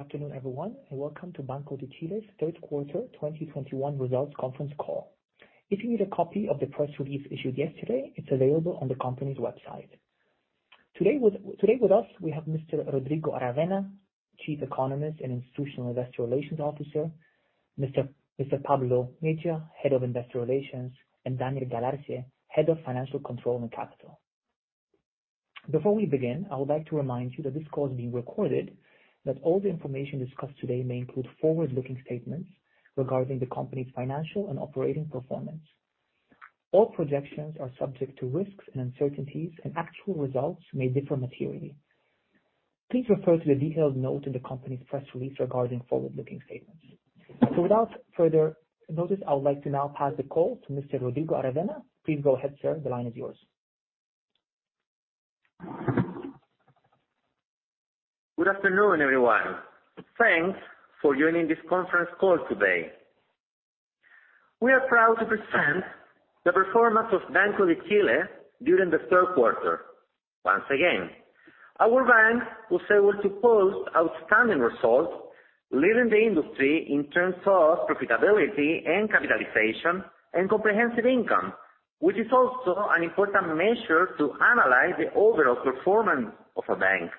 Afternoon, everyone, and welcome to Banco de Chile's third quarter 2021 results conference call. If you need a copy of the press release issued yesterday, it's available on the company's website. Today with us, we have Mr. Rodrigo Aravena, Chief Economist and Institutional Relations Officer, Mr. Pablo Mejia, Head of Investor Relations, and Daniel Galarce, Head of Financial Control and Capital. Before we begin, I would like to remind you that this call is being recorded, that all the information discussed today may include forward-looking statements regarding the company's financial and operating performance. All projections are subject to risks and uncertainties, and actual results may differ materially. Please refer to the detailed note in the company's press release regarding forward-looking statements. Without further notice, I would like to now pass the call to Mr. Rodrigo Aravena. Please go ahead, sir. The line is yours. Good afternoon, everyone. Thanks for joining this conference call today. We are proud to present the performance of Banco de Chile during the third quarter. Once again, our bank was able to post outstanding results, leading the industry in terms of profitability and capitalization and comprehensive income, which is also an important measure to analyze the overall performance of a bank,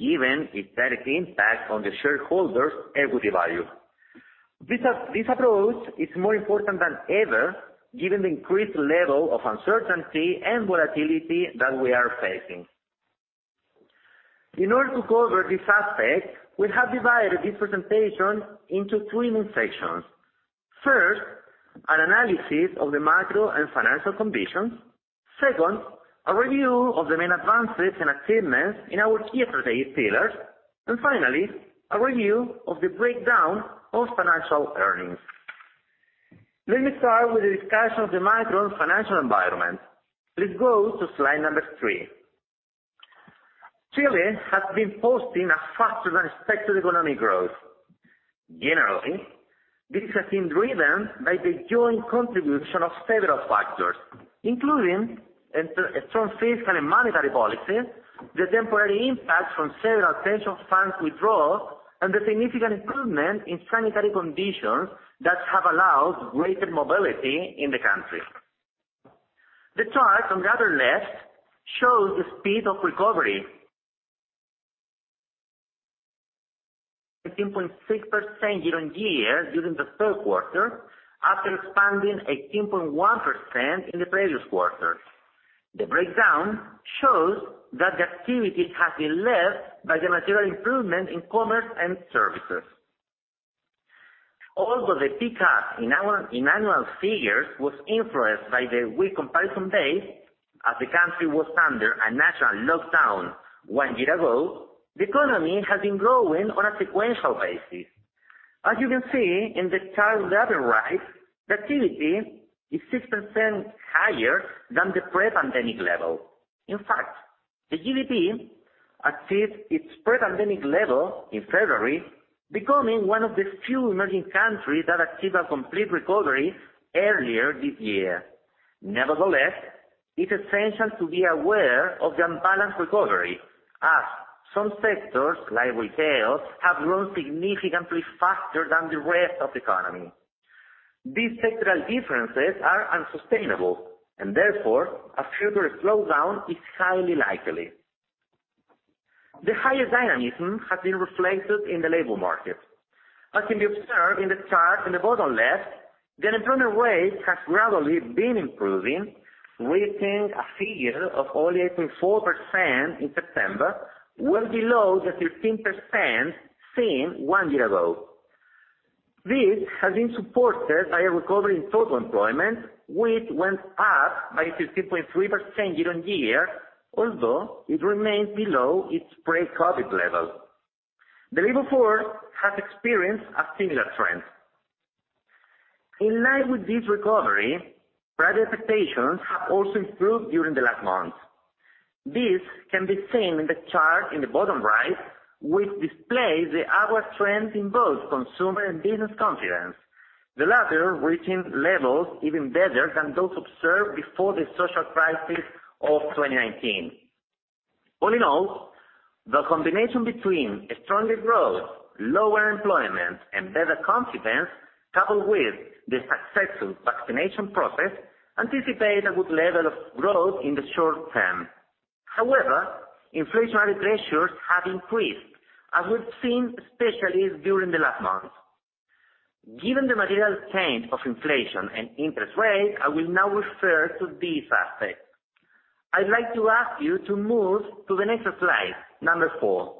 given its direct impact on the shareholders' equity value. This approach is more important than ever, given the increased level of uncertainty and volatility that we are facing. In order to cover this aspect, we have divided this presentation into three main sections. First, an analysis of the macro and financial conditions. Second, a review of the main advances and achievements in our key strategy pillars. Finally, a review of the breakdown of financial earnings. Let me start with the discussion of the macro and financial environment. Please go to slide number three. Chile has been posting a faster than expected economic growth. Generally, this has been driven by the joint contribution of several factors, including a strong fiscal and monetary policy, the temporary impact from several pension funds withdrawal, and the significant improvement in sanitary conditions that have allowed greater mobility in the country. The chart on the other left shows the speed of recovery. 18.6% year-over-year during the third quarter, after expanding 18.1% in the previous quarter. The breakdown shows that the activity has been led by the material improvement in commerce and services. Although the pickup in annual figures was influenced by the weak comparison base, as the country was under a national lockdown one year ago, the economy has been growing on a sequential basis. As you can see in the chart on the other right, the activity is 6% higher than the pre-pandemic level. In fact, the GDP achieved its pre-pandemic level in February, becoming one of the few emerging countries that achieved a complete recovery earlier this year. Nevertheless, it's essential to be aware of the unbalanced recovery, as some sectors, like retail, have grown significantly faster than the rest of the economy. These sectoral differences are unsustainable, and therefore a future slowdown is highly likely. The higher dynamism has been reflected in the labor market. As can be observed in the chart in the bottom left, the unemployment rate has gradually been improving, reaching a figure of only 18.4% in September, well below the 13% seen one year ago. This has been supported by a recovery in total employment, which went up by 15.3% year-on-year, although it remains below its pre-COVID level. labor force has experienced a similar trend. In line with this recovery, private expectations have also improved during the last month. This can be seen in the chart in the bottom right, which displays the upward trend in both consumer and business confidence, the latter reaching levels even better than those observed before the social crisis of 2019. All in all, the combination between a stronger growth, lower unemployment, and better confidence, coupled with the successful vaccination process, anticipate a good level of growth in the short term. However, inflationary pressures have increased, as we've seen especially during the last month. Given the material change of inflation and interest rates, I will now refer to this aspect. I'd like to ask you to move to the next slide, four.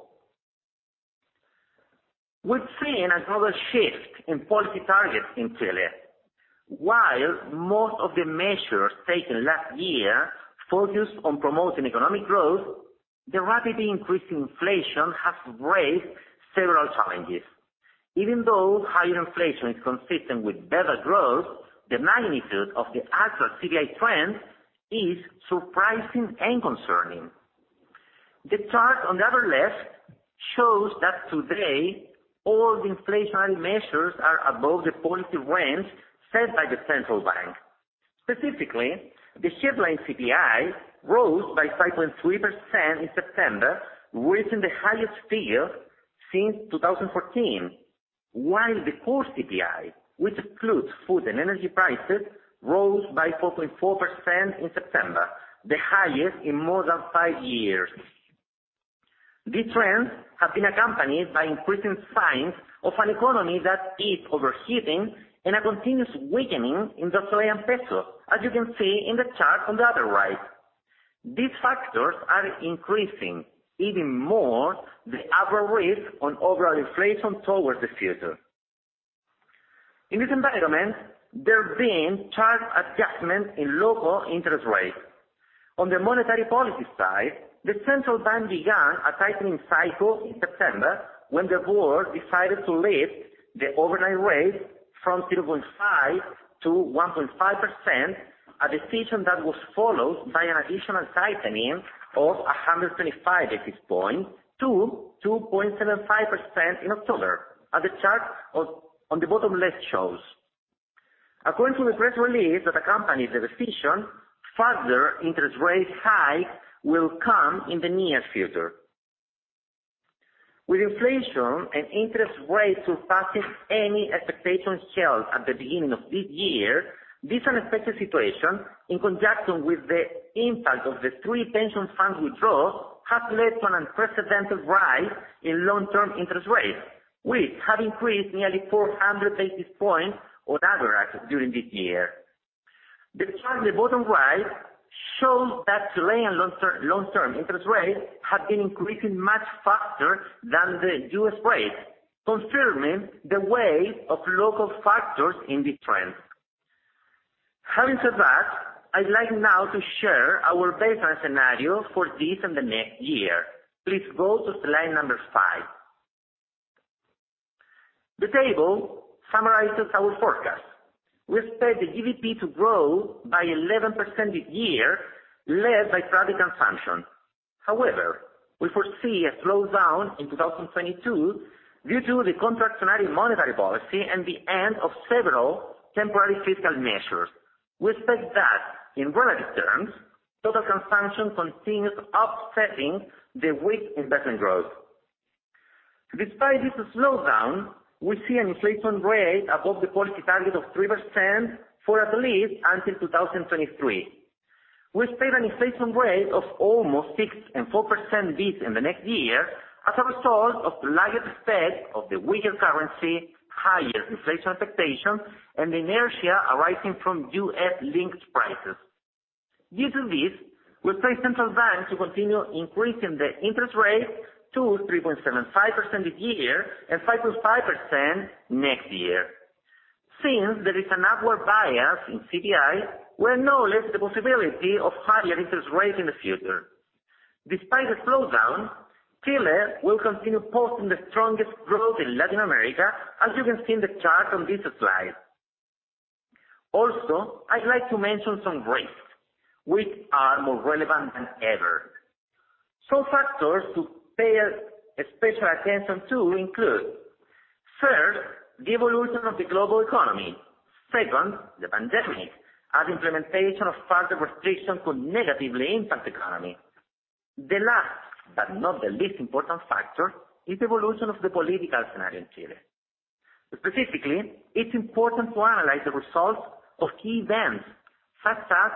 We've seen another shift in policy targets in Chile. While most of the measures taken last year focused on promoting economic growth, the rapidly increasing inflation has raised several challenges. Even though higher inflation is consistent with better growth, the magnitude of the actual CPI trend is surprising and concerning. The chart on the other left shows that today all the inflationary measures are above the policy range set by the central bank. Specifically, the headline CPI rose by 5.3% in September, reaching the highest figure since 2014. While the core CPI, which excludes food and energy prices, rose by 4.4% in September, the highest in more than five years. These trends have been accompanied by increasing signs of an economy that is overheating and a continuous weakening in the Chilean peso, as you can see in the chart on the other right. These factors are increasing even more the upward risk on overall inflation towards the future. In this environment, there have been sharp adjustments in local interest rates. On the monetary policy side, the central bank began a tightening cycle in September when the board decided to lift the overnight rate from 0.5%-1.5%, a decision that was followed by an additional tightening of 125 basis points to 2.75% in October, as the chart on the bottom left shows. According to the press release that accompanies the decision, further interest rate hikes will come in the near future. With inflation and interest rates surpassing any expectations held at the beginning of this year, this unexpected situation, in conjunction with the impact of the three pension funds withdrawals, has led to an unprecedented rise in long-term interest rates, which have increased nearly 400 basis points on average during this year. The chart on the bottom right shows that Chilean long term interest rates have been increasing much faster than the U.S. rates, confirming the weight of local factors in this trend. Having said that, I'd like now to share our baseline scenario for this and the next year. Please go to slide number five. The table summarizes our forecast. We expect the GDP to grow by 11% this year, led by private consumption. However, we foresee a slowdown in 2022 due to the contractionary monetary policy and the end of several temporary fiscal measures. We expect that, in relative terms, total consumption continues offsetting the weak investment growth. Despite this slowdown, we see an inflation rate above the policy target of 3% for at least until 2023. We expect an inflation rate of almost 6% and 4% this and the next year as a result of the lagged effect of the weaker currency, higher inflation expectations, and the inertia arising from U.S.-linked prices. Due to this, we expect central banks to continue increasing the interest rate to 3.75% this year and 5.5% next year. Since there is an upward bias in CPI, we acknowledge the possibility of higher interest rates in the future. Despite the slowdown, Chile will continue posting the strongest growth in Latin America, as you can see in the chart on this slide. I'd like to mention some risks, which are more relevant than ever. Some factors to pay special attention to include, first, the evolution of the global economy. Second, the pandemic, as implementation of further restrictions could negatively impact the economy. The last but not the least important factor is the evolution of the political scenario in Chile. Specifically, it's important to analyze the results of key events, such as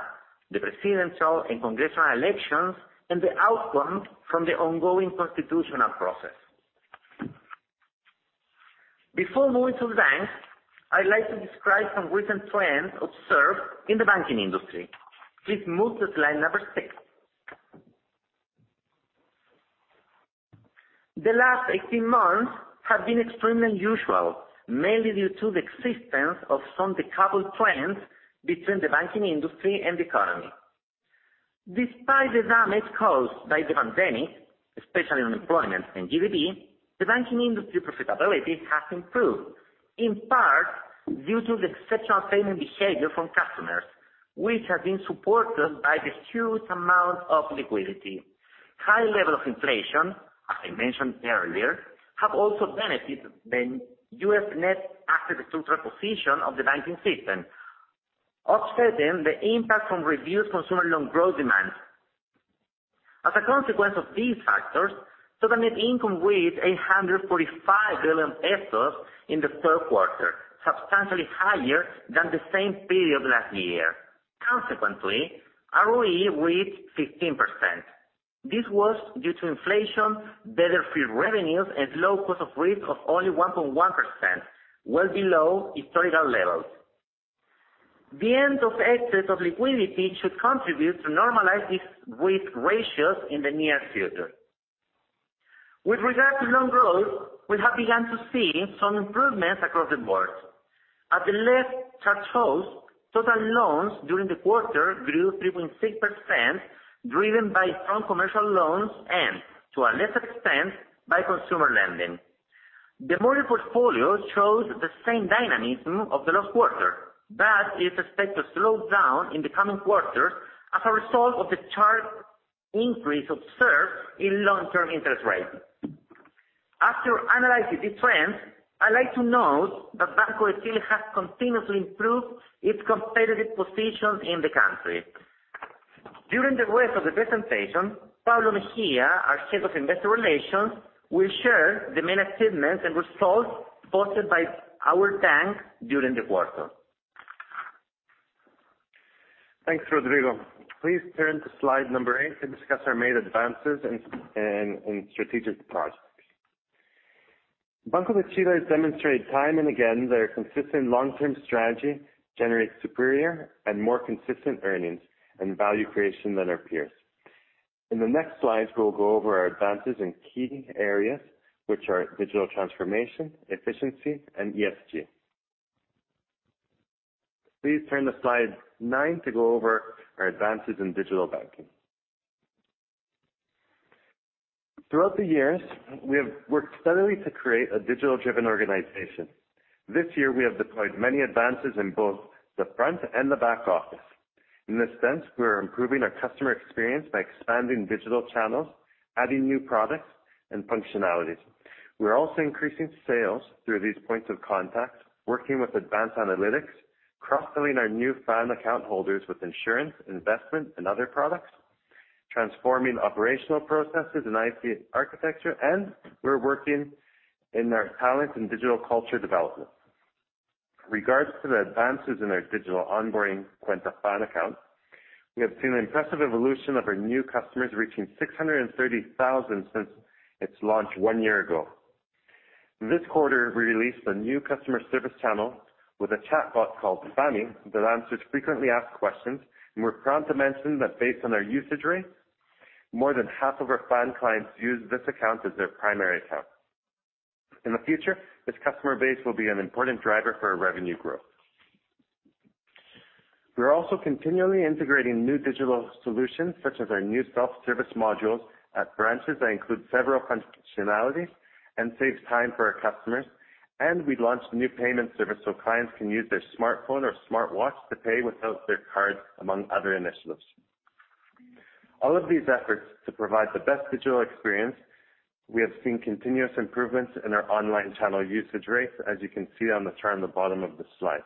the presidential and congressional elections and the outcome from the ongoing constitutional process. Before moving to the banks, I would like to describe some recent trends observed in the banking industry. Please move to slide number six. The last 18 months have been extremely unusual, mainly due to the existence of some decoupled trends between the banking industry and the economy. Despite the damage caused by the pandemic, especially on employment and GDP, the banking industry profitability has improved, in part due to the exceptional payment behavior from customers, which has been supported by the huge amount of liquidity. High level of inflation, as I mentioned earlier, have also benefited the UF net after-tax position of the banking system, offsetting the impact from reduced consumer loan growth demand. As a consequence of these factors, total net income reached 845 billion pesos in the Third Quarter, substantially higher than the same period last year. Consequently, ROE reached 15%. This was due to inflation, better fee revenues, and low cost of risk of only 1.1%, well below historical levels. The end of excess of liquidity should contribute to normalize these risk ratios in the near future. With regard to loan growth, we have begun to see some improvements across the board. At the left, chart shows total loans during the quarter grew 3.6%, driven by strong commercial loans and, to a lesser extent, by consumer lending. The mortgage portfolio shows the same dynamism of the last quarter, but is expected to slow down in the coming quarters as a result of the sharp increase observed in long-term interest rates. After analyzing these trends, I'd like to note that Banco de Chile has continuously improved its competitive position in the country. During the rest of the presentation, Pablo Mejia, our Head of Investor Relations, will share the main achievements and results posted by our bank during the quarter. Thanks, Rodrigo. Please turn to slide number eight to discuss our main advances in strategic projects. Banco de Chile has demonstrated time and again their consistent long-term strategy generates superior and more consistent earnings and value creation than our peers. In the next slide, we'll go over our advances in key areas, which are digital transformation, efficiency, and ESG. Please turn to slide nine to go over our advances in digital banking. Throughout the years, we have worked steadily to create a digital-driven organization. This year we have deployed many advances in both the front and the back office. In this sense, we are improving our customer experience by expanding digital channels, adding new products and functionalities. We are also increasing sales through these points of contact, working with advanced analytics, cross-selling our new FAN account holders with insurance, investment and other products, transforming operational processes and IT architecture. We're working in our talent and digital culture development. Regards to the advances in our digital onboarding Cuenta FAN account, we have seen an impressive evolution of our new customers, reaching 630,000 since its launch one year ago. This quarter, we released a new customer service channel with a chatbot called FANi that answers frequently asked questions. We're proud to mention that based on our usage rate, more than half of our FAN clients use this account as their primary account. In the future, this customer base will be an important driver for our revenue growth. We are also continually integrating new digital solutions, such as our new self-service modules at branches that include several functionalities and saves time for our customers. We launched a new payment service, so clients can use their smartphone or smartwatch to pay without their cards, among other initiatives. All of these efforts to provide the best digital experience, we have seen continuous improvements in our online channel usage rates, as you can see on the chart on the bottom of the slide.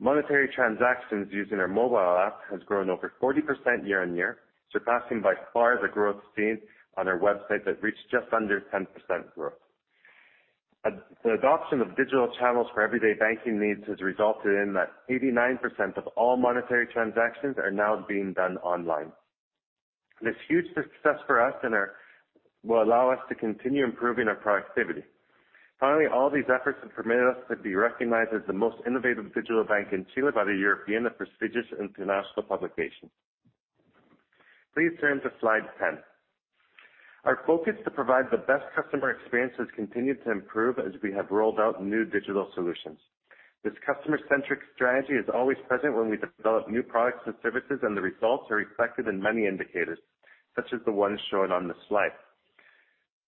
Monetary transactions using our mobile app has grown over 40% year-over-year, surpassing by far the growth seen on our website that reached just under 10% growth. The adoption of digital channels for everyday banking needs has resulted in that 89% of all monetary transactions are now being done online. This huge success for us and our will allow us to continue improving our productivity. Finally, all these efforts have permitted us to be recognized as the most innovative digital bank in Chile by the European, a prestigious international publication. Please turn to slide 10. Our focus to provide the best customer experience has continued to improve as we have rolled out new digital solutions. This customer-centric strategy is always present when we develop new products and services, and the results are reflected in many indicators, such as the ones shown on this slide.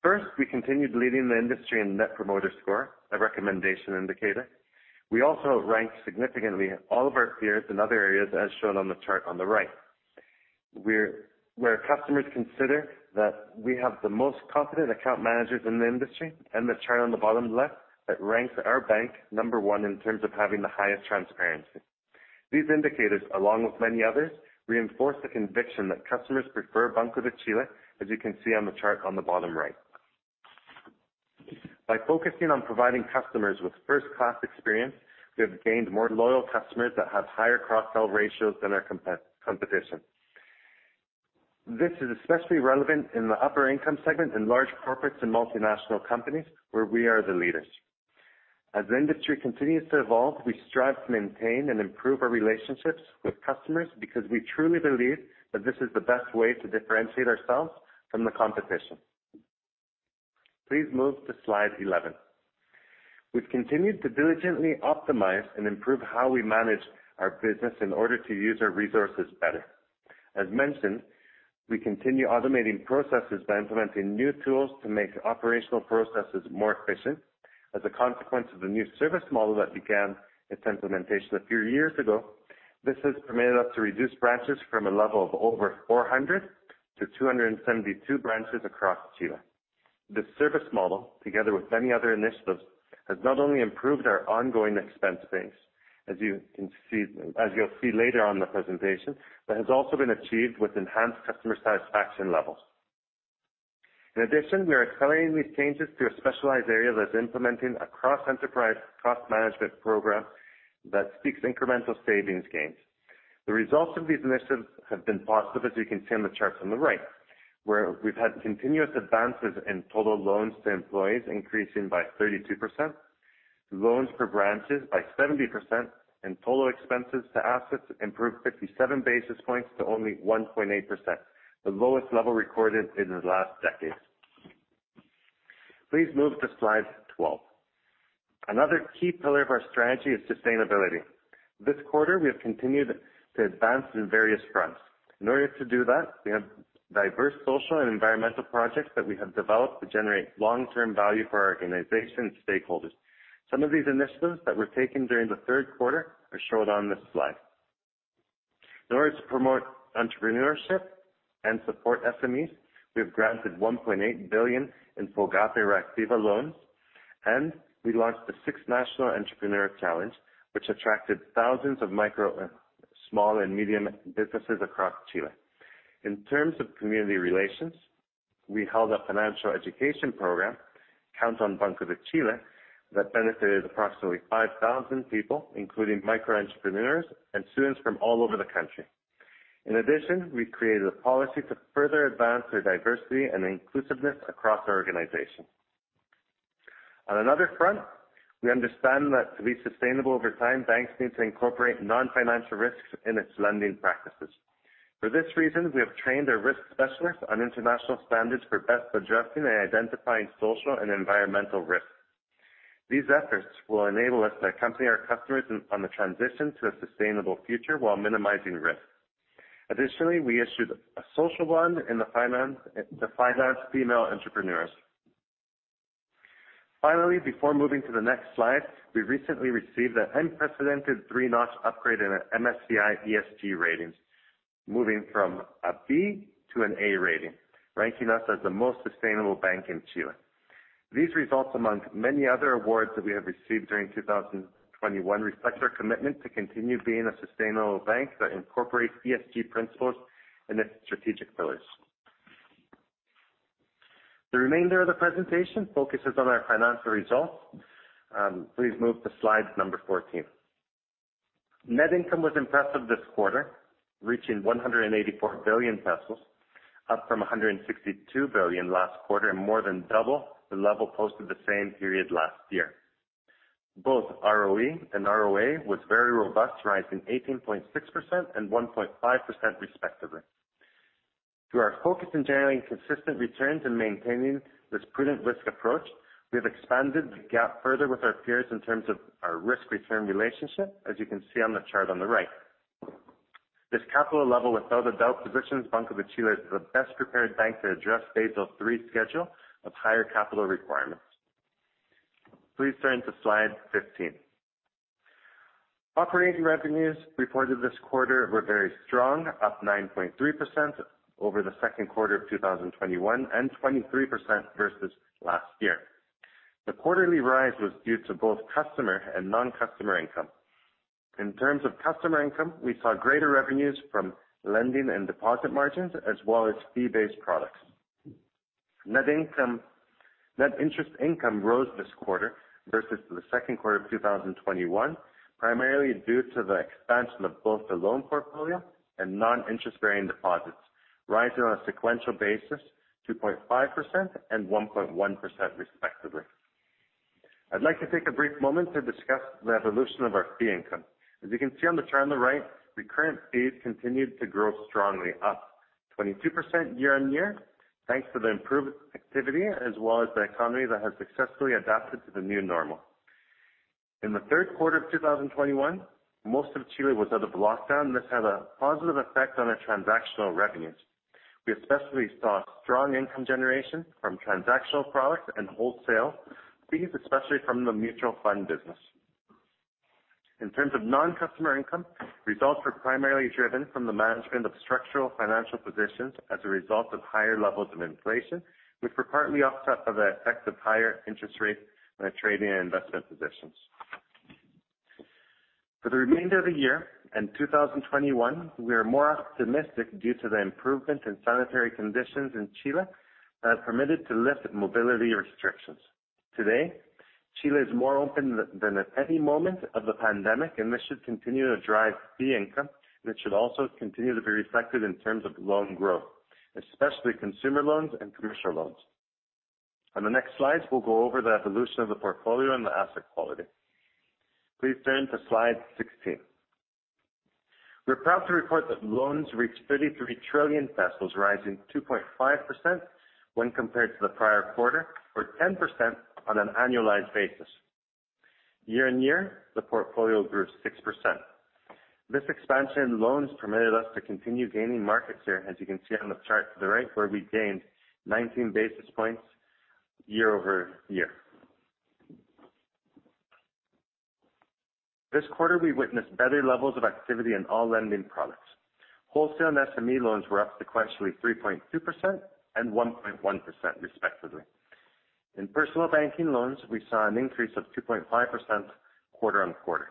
First, we continued leading the industry in Net Promoter Score, a recommendation indicator. We also ranked significantly all of our peers in other areas, as shown on the chart on the right, where customers consider that we have the most confident account managers in the industry, and the chart on the bottom left that ranks our bank number 1 in terms of having the highest transparency. These indicators, along with many others, reinforce the conviction that customers prefer Banco de Chile, as you can see on the chart on the bottom right. By focusing on providing customers with first-class experience, we have gained more loyal customers that have higher cross-sell ratios than our competition. This is especially relevant in the upper income segment in large corporates and multinational companies, where we are the leaders. As the industry continues to evolve, we strive to maintain and improve our relationships with customers because we truly believe that this is the best way to differentiate ourselves from the competition. Please move to slide 11. We've continued to diligently optimize and improve how we manage our business in order to use our resources better. As mentioned, we continue automating processes by implementing new tools to make operational processes more efficient. As a consequence of the new service model that began its implementation a few years ago, this has permitted us to reduce branches from a level of over 400-272 branches across Chile. This service model, together with many other initiatives, has not only improved our ongoing expense base, as you'll see later on in the presentation, but has also been achieved with enhanced customer satisfaction levels. In addition, we are accelerating these changes through a specialized area that's implementing a cross enterprise cost management program that speaks incremental savings gains. The results of these initiatives have been positive, as you can see on the charts on the right, where we've had continuous advances in total loans to employees increasing by 32%, loans for branches by 70%, and total expenses to assets improved 57 basis points to only 1.8%, the lowest level recorded in the last decade. Please move to slide 12. Another key pillar of our strategy is sustainability. This quarter, we have continued to advance in various fronts. In order to do that, we have diverse social and environmental projects that we have developed that generate long-term value for our organization stakeholders. Some of these initiatives that were taken during the third quarter are shown on this slide. In order to promote entrepreneurship and support SMEs, we have granted UF 1.8 billion in FOGAPE Reactiva loans, and we launched the sixth National Entrepreneur Challenge, which attracted thousands of micro, small and medium businesses across Chile. In terms of community relations, we held a financial education program, Cuenta con Banco de Chile, that benefited approximately 5,000 people, including micro entrepreneurs and students from all over the country. In addition, we created a policy to further advance their diversity and inclusiveness across our organization. On another front, we understand that to be sustainable over time, banks need to incorporate non-financial risks in its lending practices. For this reason, we have trained our risk specialists on international standards for best addressing and identifying social and environmental risks. These efforts will enable us to accompany our customers on the transition to a sustainable future while minimizing risk. Additionally, we issued a social bond to finance female entrepreneurs. Finally, before moving to the next slide, we recently received an unprecedented three-notch upgrade in our MSCI ESG ratings, moving from a B to an A rating, ranking us as the most sustainable bank in Chile. These results, among many other awards that we have received during 2021, reflect our commitment to continue being a sustainable bank that incorporates ESG principles in its strategic pillars. The remainder of the presentation focuses on our financial results. Please move to slide number 14. Net income was impressive this quarter, reaching 184 billion pesos, up from 162 billion last quarter and more than double the level posted the same period last year. Both ROE and ROA was very robust, rising 18.6% and 1.5%, respectively. Through our focus in generating consistent returns and maintaining this prudent risk approach, we have expanded the gap further with our peers in terms of our risk-return relationship, as you can see on the chart on the right. This capital level without a doubt positions Banco de Chile as the best-prepared bank to address Basel III schedule of higher capital requirements. Please turn to slide 15. Operating revenues reported this quarter were very strong, up 9.3% over the second quarter 2021, and 23% versus last year. The quarterly rise was due to both customer and non-customer income. In terms of customer income, we saw greater revenues from lending and deposit margins as well as fee-based products. Net interest income rose this quarter versus the second quarter of 2021, primarily due to the expansion of both the loan portfolio and non-interest bearing deposits, rising on a sequential basis 2.5% and 1.1%, respectively. I'd like to take a brief moment to discuss the evolution of our fee income. As you can see on the chart on the right, recurrent fees continued to grow strongly, up 22% year-on-year, thanks to the improved activity as well as the economy that has successfully adapted to the new normal. In the third quarter of 2021, most of Chile was out of lockdown. This had a positive effect on our transactional revenues. We especially saw strong income generation from transactional products and wholesale fees, especially from the mutual fund business. In terms of non-customer income, results were primarily driven from the management of structural financial positions as a result of higher levels of inflation, which were partly offset by the effect of higher interest rates on our trade and investment positions. For the remainder of the year, in 2021, we are more optimistic due to the improvement in sanitary conditions in Chile that have permitted to lift mobility restrictions. Today, Chile is more open than at any moment of the pandemic. This should continue to drive fee income. It should also continue to be reflected in terms of loan growth, especially consumer loans and commercial loans. On the next slide, we'll go over the evolution of the portfolio and the asset quality. Please turn to slide 16. We're proud to report that loans reached 33 trillion pesos, rising 2.5% when compared to the prior quarter, or 10% on an annualized basis. Year-on-year, the portfolio grew 6%. This expansion in loans permitted us to continue gaining market share, as you can see on the chart to the right, where we gained 19 basis points year-over-year. This quarter, we witnessed better levels of activity in all lending products. Wholesale and SME loans were up sequentially 3.2% and 1.1%, respectively. In personal banking loans, we saw an increase of 2.5% quarter-on-quarter.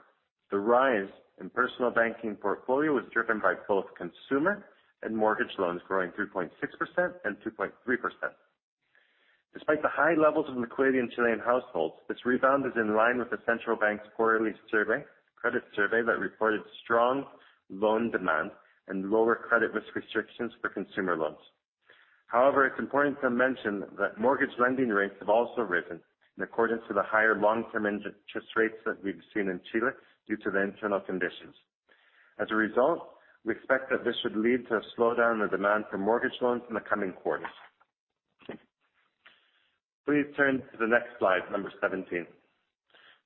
The rise in personal banking portfolio was driven by both consumer and mortgage loans, growing 3.6% and 2.3%. Despite the high levels of liquidity in Chilean households, this rebound is in line with the Central Bank's quarterly credit survey that reported strong loan demand and lower credit risk restrictions for consumer loans. It's important to mention that mortgage lending rates have also risen in accordance to the higher long-term interest rates that we've seen in Chile due to the internal conditions. We expect that this should lead to a slowdown in the demand for mortgage loans in the coming quarters. Please turn to the next slide, number 17.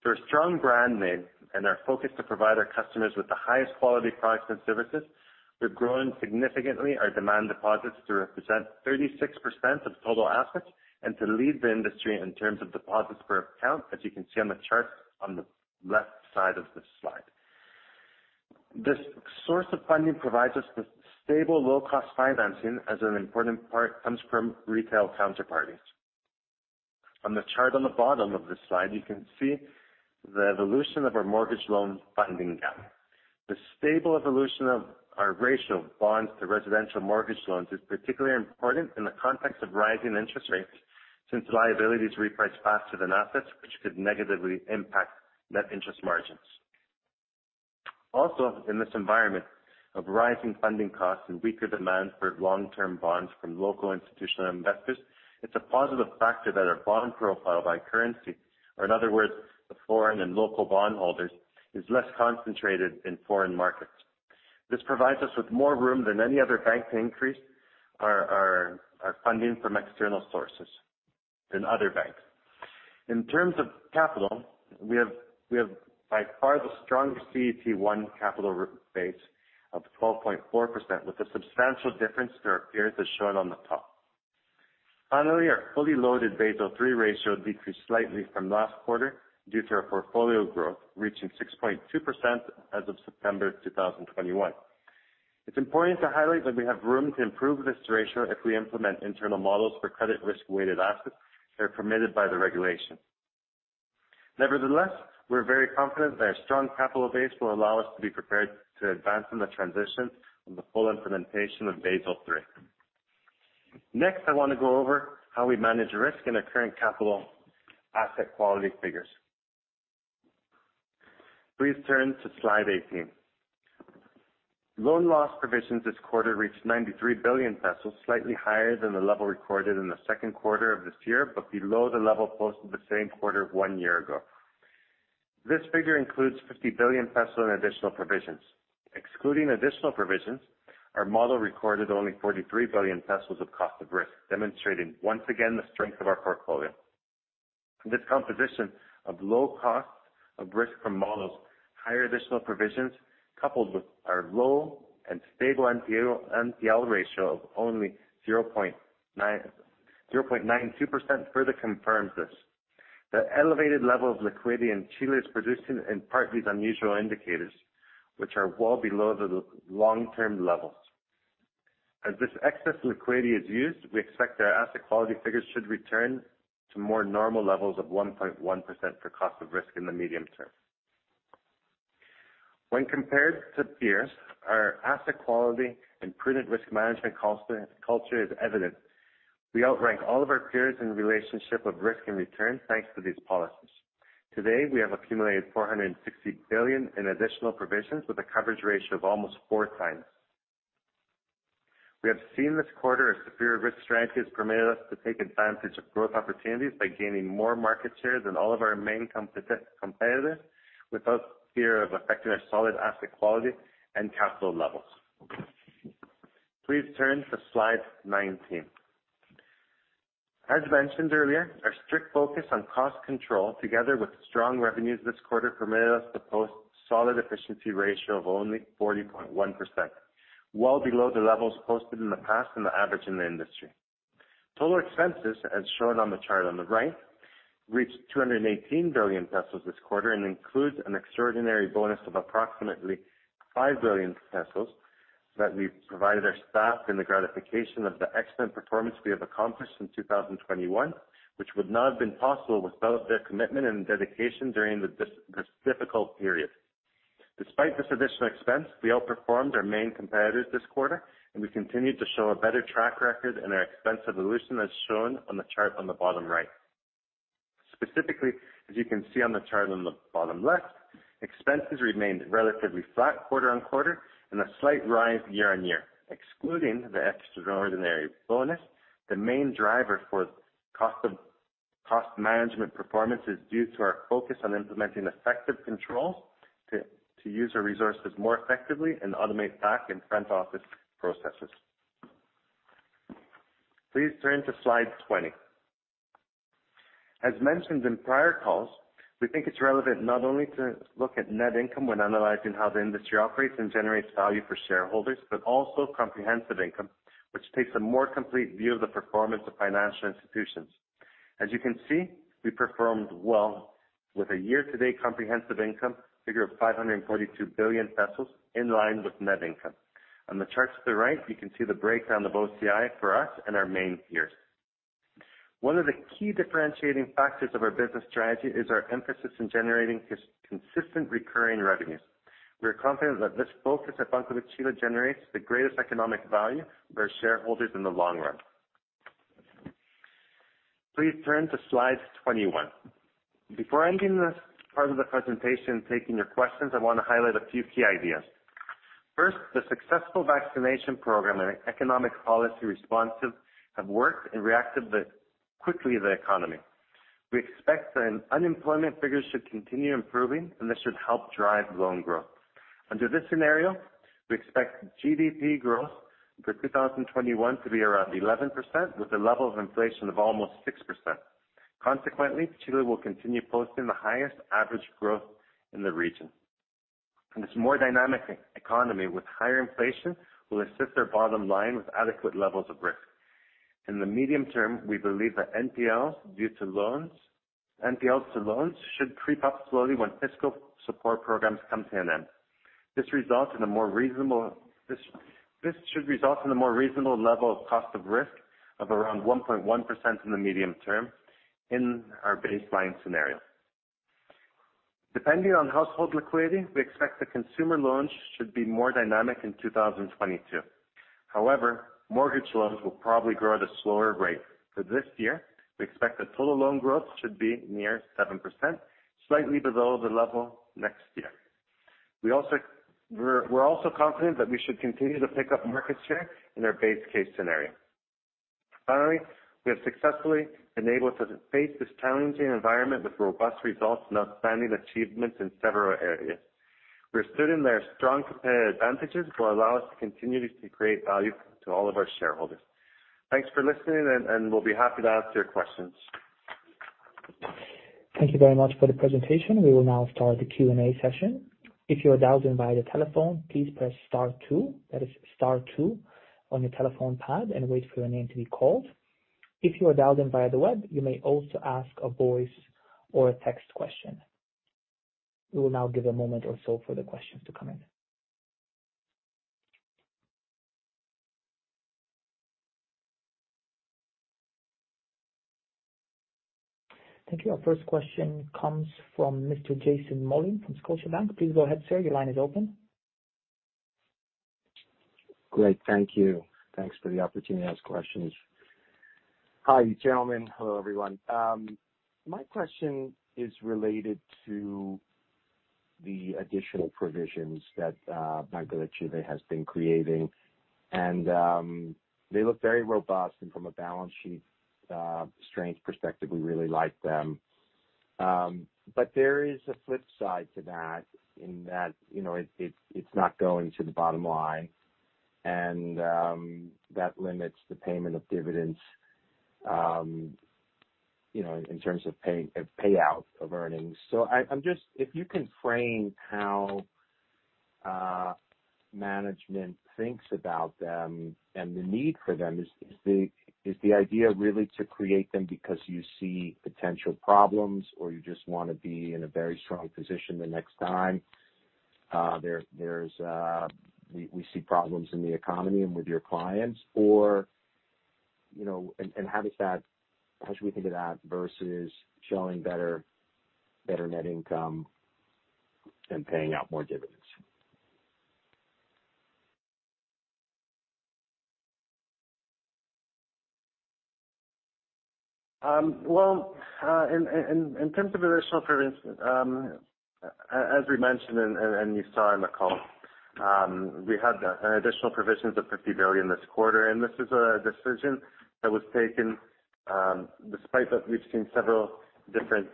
Through a strong brand name and our focus to provide our customers the highest quality products and services, we're growing significantly our demand deposits to represent 36% of total assets and to lead the industry in terms of deposits per account, as you can see on the chart on the left side of this slide. This source of funding provides us with stable, low cost financing as an important part comes from retail counterparties. On the chart on the bottom of this slide, you can see the evolution of our mortgage loan funding gap. The stable evolution of our ratio bonds to residential mortgage loans is particularly important in the context of rising interest rates, since liabilities reprice faster than assets, which could negatively impact net interest margins. Also, in this environment of rising funding costs and weaker demand for long-term bonds from local institutional investors, it's a positive factor that our bond profile by currency, or in other words, the foreign and local bond holders, is less concentrated in foreign markets. This provides us with more room than any other bank to increase our funding from external sources than other banks. In terms of capital, we have by far the strongest CET1 capital base of 12.4%, with a substantial difference to our peers as shown on the top. Finally, our fully loaded Basel III ratio decreased slightly from last quarter due to our portfolio growth, reaching 6.2% as of September 2021. It's important to highlight that we have room to improve this ratio if we implement internal models for credit risk weighted assets that are permitted by the regulation. Nevertheless, we're very confident that our strong capital base will allow us to be prepared to advance in the transition on the full implementation of Basel III. Next, I want to go over how we manage risk in our current capital asset quality figures. Please turn to slide 18. Loan loss provisions this quarter reached 93 billion pesos, slightly higher than the level recorded in the second quarter of this year, but below the level posted the same quarter one year ago. This figure includes 50 billion peso in additional provisions. Excluding additional provisions, our model recorded only 43 billion pesos of cost of risk, demonstrating once again the strength of our portfolio. This composition of low costs of risk from models, higher additional provisions, coupled with our low and stable NPL ratio of only 0.9%, 0.92% further confirms this. The elevated level of liquidity in Chile is producing in part these unusual indicators, which are well below the long term levels. As this excess liquidity is used, we expect our asset quality figures should return to more normal levels of 1.1% for cost of risk in the medium term. When compared to peers, our asset quality and prudent risk management culture is evident. We outrank all of our peers in relationship of risk and return thanks to these policies. Today, we have accumulated 460 billion in additional provisions with a coverage ratio of almost 4x. We have seen this quarter a superior risk strategy has permitted us to take advantage of growth opportunities by gaining more market share than all of our main competitors without fear of affecting our solid asset quality and capital levels. Please turn to slide 19. As mentioned earlier, our strict focus on cost control, together with strong revenues this quarter, permitted us to post solid efficiency ratio of only 40.1%, well below the levels posted in the past and the average in the industry. Total expenses, as shown on the chart on the right, reached 218 billion pesos this quarter. Includes an extraordinary bonus of approximately 5 billion pesos that we provided our staff in the gratification of the excellent performance we have accomplished in 2021, which would not have been possible without their commitment and dedication during this difficult period. Despite this additional expense, we outperformed our main competitors this quarter. We continued to show a better track record in our expense evolution, as shown on the chart on the bottom right. Specifically, as you can see on the chart on the bottom left, expenses remained relatively flat quarter-on-quarter. A slight rise year-on-year. Excluding the extraordinary bonus, the main driver for cost management performance is due to our focus on implementing effective control to use our resources more effectively and automate back and front office processes. Please turn to slide 20. As mentioned in prior calls, we think it's relevant not only to look at net income when analyzing how the industry operates and generates value for shareholders, but also comprehensive income, which takes a more complete view of the performance of financial institutions. As you can see, we performed well with a year-to-date comprehensive income figure of 542 billion pesos, in line with net income. On the charts to the right, you can see the breakdown of OCI for us and our main peers. One of the key differentiating factors of our business strategy is our emphasis in generating consistent recurring revenues. We are confident that this focus at Banco de Chile generates the greatest economic value for our shareholders in the long run. Please turn to slide 21. Before ending this part of the presentation and taking your questions, I wanna highlight a few key ideas. First, the successful vaccination program and economic policy responses have worked and quickly the economy. We expect that unemployment figures should continue improving, and this should help drive loan growth. Under this scenario, we expect GDP growth for 2021 to be around 11% with a level of inflation of almost 6%. Consequently, Chile will continue posting the highest average growth in the region. This more dynamic e-economy with higher inflation will assist our bottom line with adequate levels of risk. In the medium term, we believe that NPLs to loans should creep up slowly when fiscal support programs come to an end. This should result in a more reasonable level of cost of risk of around 1.1% in the medium term in our baseline scenario. Depending on household liquidity, we expect the consumer loans should be more dynamic in 2022. However, mortgage loans will probably grow at a slower rate. For this year, we expect the total loan growth should be near 7%, slightly below the level next year. We're also confident that we should continue to pick up market share in our base case scenario. Finally, we have successfully enabled us to face this challenging environment with robust results and outstanding achievements in several areas. We're certain their strong competitive advantages will allow us to continue to create value to all of our shareholders. Thanks for listening, and we'll be happy to answer your questions. Thank you very much for the presentation. We will now start the Q&A session. If you are dialed in via the telephone, please press star 2, that is star 2 on your telephone pad and wait for your name to be called. If you are dialed in via the web, you may also ask a voice or a text question. We will now give a moment or so for the questions to come in. Thank you. Our first question comes from Mr. Jason Mollin from Scotiabank. Please go ahead, sir. Your line is open. Great. Thank you. Thanks for the opportunity to ask questions. Hi, gentlemen. Hello, everyone. My question is related to the additional provisions that Banco de Chile has been creating, and they look very robust. From a balance sheet strength perspective, we really like them. There is a flip side to that, in that, you know, it's not going to the bottom line. That limits the payment of dividends, you know, in terms of payout of earnings. I'm just if you can frame how management thinks about them and the need for them. Is the idea really to create them because you see potential problems or you just want to be in a very strong position the next time there's we see problems in the economy and with your clients? You know, and how should we think of that versus showing better net income and paying out more dividends? Well, in terms of additional provisions, as we mentioned and you saw in the call, we had an additional provisions of 50 billion this quarter. This is a decision that was taken despite that we've seen several different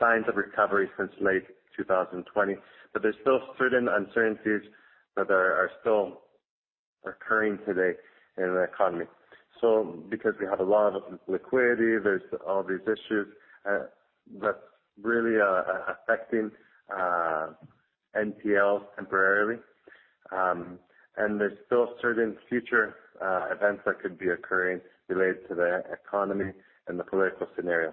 signs of recovery since late 2020. There's still certain uncertainties that are still occurring today in the economy. Because we have a lot of liquidity, there's all these issues that's really affecting NPL temporarily. There's still certain future events that could be occurring related to the economy and the political scenario.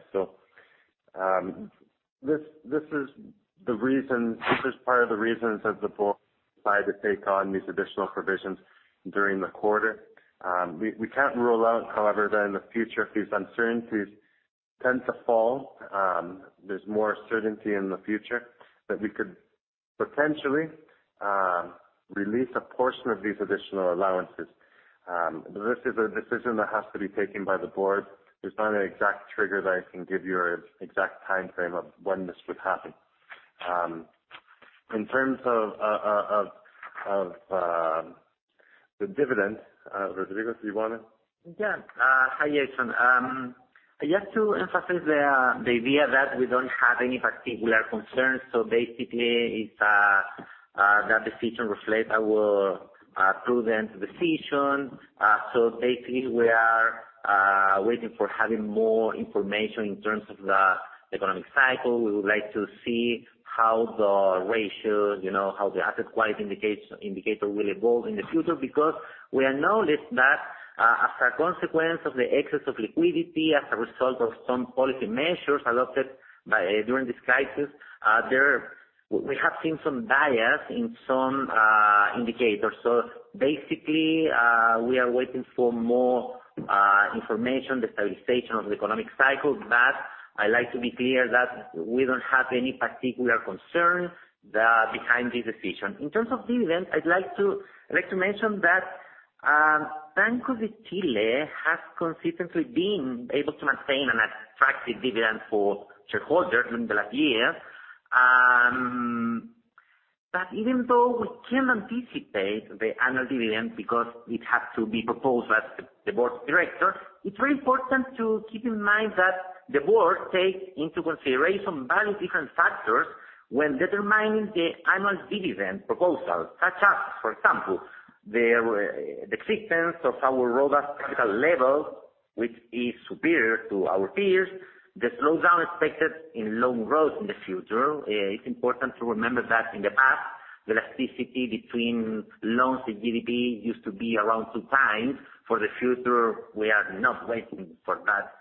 This is the reason, this is part of the reasons that the board decided to take on these additional provisions during the quarter. we can't rule out, however, that in the future, if these uncertainties tend to fall, there's more certainty in the future that we could potentially release a portion of these additional allowances. This is a decision that has to be taken by the board. There's not an exact trigger that I can give you or exact timeframe of when this would happen. In terms of the dividend, Rodrigo, do you wanna? Yeah. Hi, Jason. Just to emphasize the idea that we don't have any particular concerns. Basically, it's that decision reflects our prudent decision. Basically, we are waiting for having more information in terms of the economic cycle. We would like to see how the ratios, you know, how the asset quality indicator will evolve in the future. We acknowledge that, as a consequence of the excess of liquidity, as a result of some policy measures adopted during this crisis, there we have seen some bias in some indicators. Basically, we are waiting for more information, the stabilization of the economic cycle. I like to be clear that we don't have any particular concern behind this decision. In terms of dividends, I'd like to mention that Banco de Chile has consistently been able to maintain an attractive dividend for shareholders in the last years. Even though we can anticipate the annual dividend because it has to be proposed by the board of directors, it's very important to keep in mind that the board take into consideration various different factors when determining the annual dividend proposal. Such as, for example, the thickness of our robust capital level, which is superior to our peers, the slowdown expected in loan growth in the future. It's important to remember that in the past. The elasticity between loans and GDP used to be around 2x. For the future, we are not waiting for that,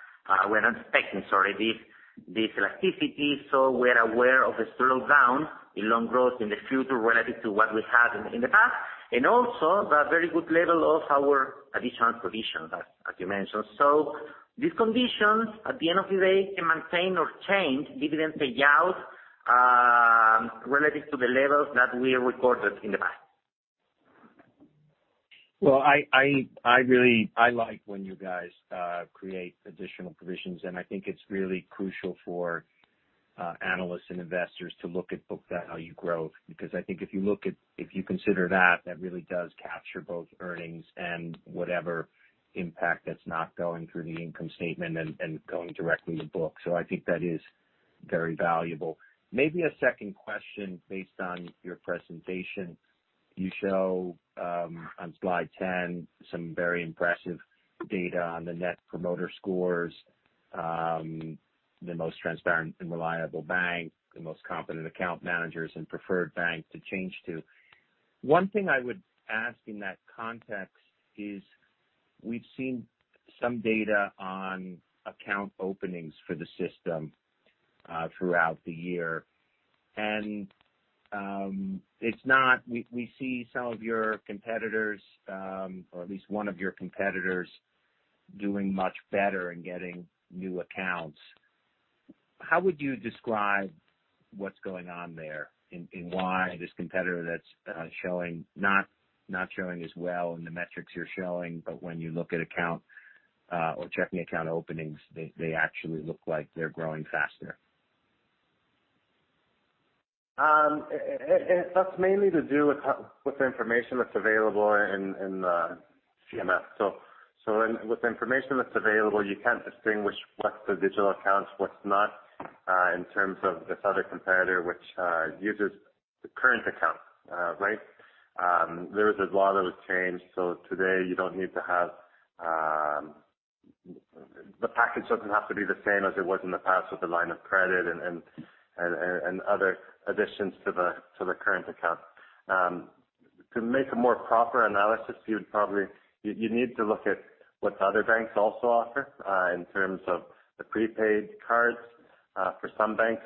we're not expecting, sorry, this elasticity, we are aware of the slowdown in loan growth in the future relative to what we had in the past, and also the very good level of our additional provisions, as you mentioned. These conditions, at the end of the day, can maintain or change dividend payout, relative to the levels that we recorded in the past. Well, I really like when you guys create additional provisions, and I think it's really crucial for analysts and investors to look at book value growth, because I think if you consider that really does capture both earnings and whatever impact that's not going through the income statement and going directly to book. I think that is very valuable. Maybe a second question based on your presentation. You show on slide 10 some very impressive data on the Net Promoter Scores, the most transparent and reliable bank, the most competent account managers and preferred bank to change to. One thing I would ask in that context is, we've seen some data on account openings for the system throughout the year. We see some of your competitors, or at least one of your competitors doing much better in getting new accounts. How would you describe what's going on there in why this competitor that's not showing as well in the metrics you're showing, but when you look at account, or checking account openings, they actually look like they're growing faster? That's mainly to do with the information that's available in the CMF. With the information that's available, you can't distinguish what's the digital accounts, what's not, in terms of this other competitor which uses the current account, right? There is a law that was changed, so today you don't need to have. The package doesn't have to be the same as it was in the past with the line of credit and other additions to the current account. To make a more proper analysis, you need to look at what the other banks also offer in terms of the prepaid cards for some banks.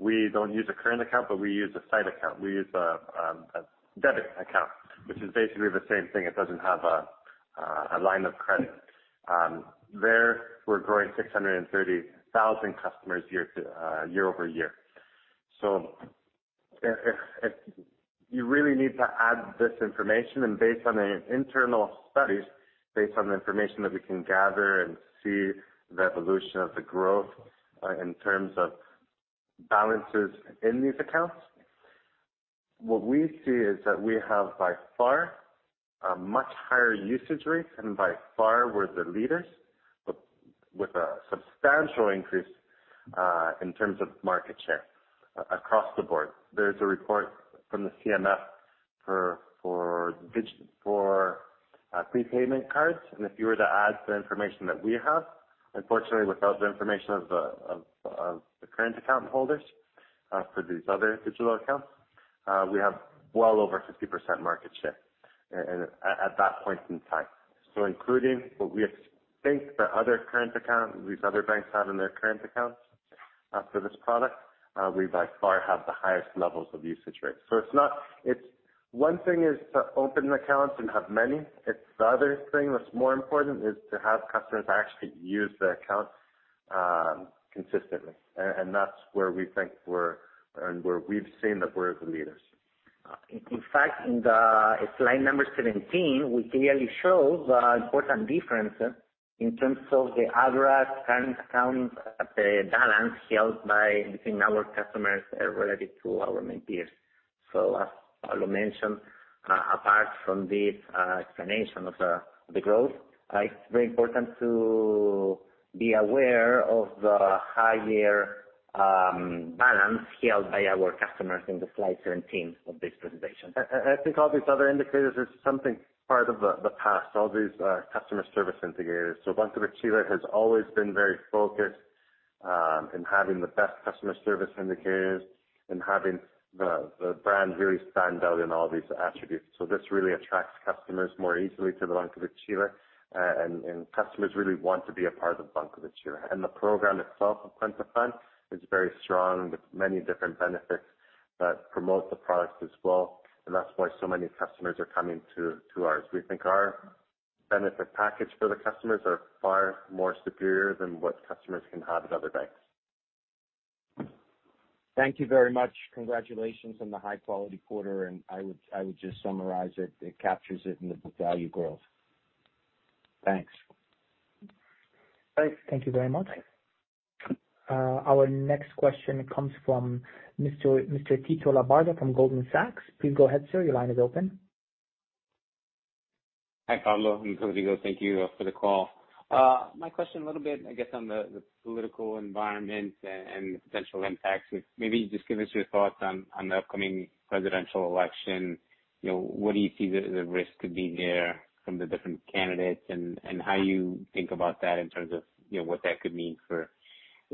We don't use a current account, but we use a side account. We use a debit account, which is basically the same thing. It doesn't have a line of credit. There, we're growing 630,000 customers year-over-year. If you really need to add this information, and based on the internal studies, based on the information that we can gather and see the evolution of the growth, in terms of balances in these accounts, what we see is that we have, by far, a much higher usage rate, and by far we're the leaders with a substantial increase, in terms of market share across the board. There is a report from the CMF for prepayment cards. If you were to add the information that we have, unfortunately, without the information of the current account holders, for these other digital accounts, we have well over 50% market share at that point in time. Including what we think the other current account, these other banks have in their current accounts, for this product, we by far have the highest levels of usage rates. It's One thing is to open accounts and have many. It's the other thing that's more important is to have customers actually use the accounts consistently. That's where we think we're, and where we've seen that we're the leaders. In fact, in slide number 17, we clearly show the important difference in terms of the average current account balance held by between our customers relative to our main peers. As Pablo mentioned, apart from this explanation of the growth, it's very important to be aware of the higher balance held by our customers in slide 17 of this presentation. I think all these other indicators are something part of the past, all these customer service indicators. Banco de Chile has always been very focused in having the best customer service indicators and having the brand really stand out in all these attributes. This really attracts customers more easily to Banco de Chile, and customers really want to be a part of Banco de Chile. The program itself of Cuenta FAN is very strong with many different benefits that promote the products as well. That's why so many customers are coming to ours. We think our benefit package for the customers are far more superior than what customers can have at other banks. Thank you very much. Congratulations on the high quality quarter. I would just summarize it. It captures it in the value growth. Thanks. Thanks. Thank you very much. Our next question comes from Mr. Tito Labarta from Goldman Sachs. Please go ahead, sir. Your line is open. Hi, Pablo and Rodrigo. Thank you for the call. My question a little bit, I guess, on the political environment and the potential impacts is maybe just give us your thoughts on the upcoming presidential election? You know, what do you see the risk could be there from the different candidates and how you think about that in terms of, you know, what that could mean for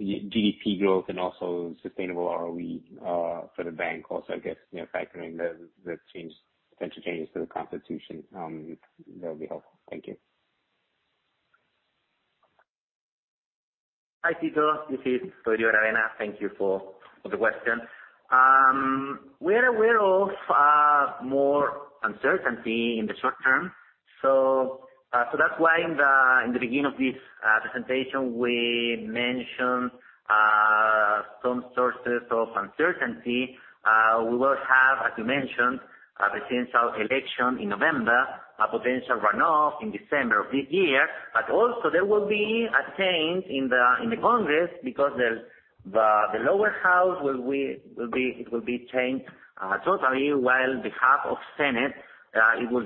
GDP growth and also sustainable ROE for the bank also, I guess, you know, factoring potential changes to the constitution, that would be helpful. Thank you. Hi, Tito. This is Rodrigo Aravena. Thank you for the question. We are aware of more uncertainty in the short term. That's why in the beginning of this presentation, we mentioned some sources of uncertainty. We will have, as you mentioned, a potential election in November, a potential runoff in December of this year. Also there will be a change in the Congress because the lower house it will be changed totally while the half of Senate it will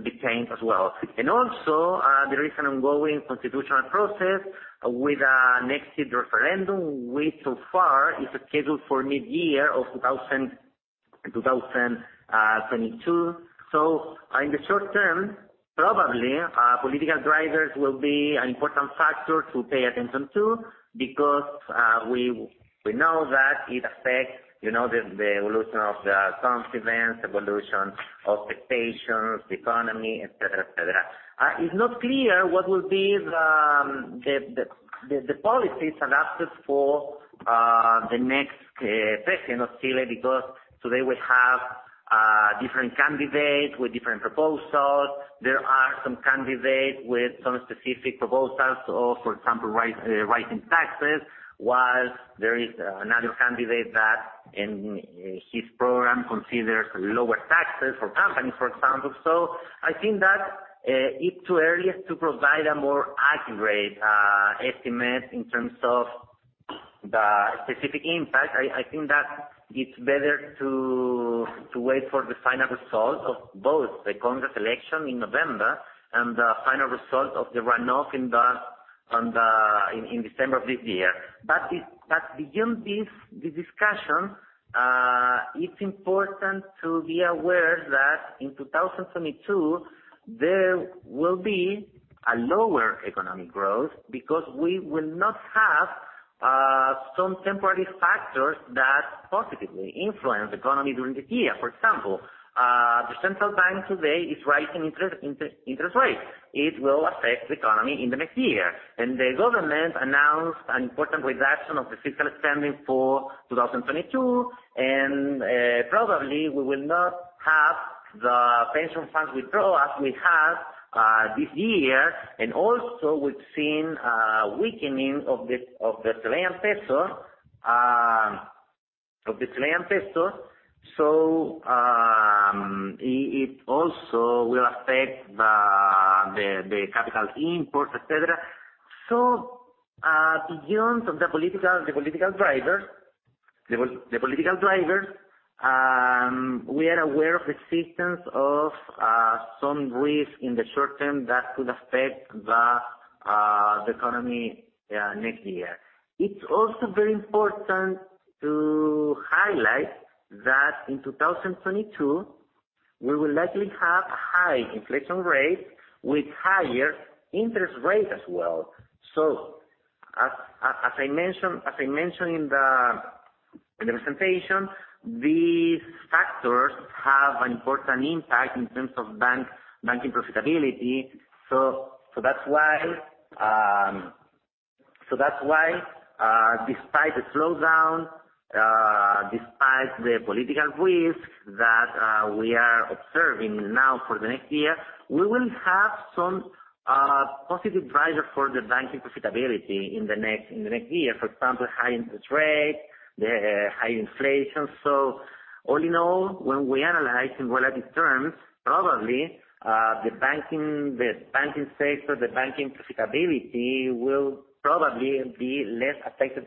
be changed as well. Also, there is an ongoing constitutional process with a next year referendum, which so far is scheduled for mid-year of 2022. In the short term, probably, political drivers will be an important factor to pay attention to because we know that it affects, you know, the evolution of the current events, evolution of expectations, economy, et cetera, et cetera. It's not clear what will be the policies adapted for the next president of Chile, because today we have different candidates with different proposals. There are some candidates with some specific proposals or for example, rise, rising taxes, whilst there is another candidate that in his program considers lower taxes for companies, for example. I think that it's too early to provide a more accurate estimate in terms of the specific impact. I think that it's better to wait for the final result of both the Congress election in November and the final result of the runoff in December of this year. Beyond this, the discussion, it's important to be aware that in 2022, there will be a lower economic growth because we will not have some temporary factors that positively influence the economy during the year. For example, the central bank today is rising interest rates. It will affect the economy in the next year. The government announced an important reduction of the fiscal spending for 2022. Probably we will not have the pension funds withdraw as we have this year. Also we've seen a weakening of the Chilean peso. It also will affect the capital imports, et cetera. Beyond the political drivers, the political drivers, we are aware of the existence of some risk in the short term that could affect the economy next year. It's also very important to highlight that in 2022, we will likely have a high inflation rate with higher interest rates as well. As I mentioned, as I mentioned in the presentation, these factors have an important impact in terms of banking profitability. That's why, despite the slowdown, despite the political risk that we are observing now for the next year, we will have some positive driver for the banking profitability in the next year, for example, high interest rate, the high inflation. All in all, when we analyze in relative terms, probably, the banking sector, the banking profitability will probably be less affected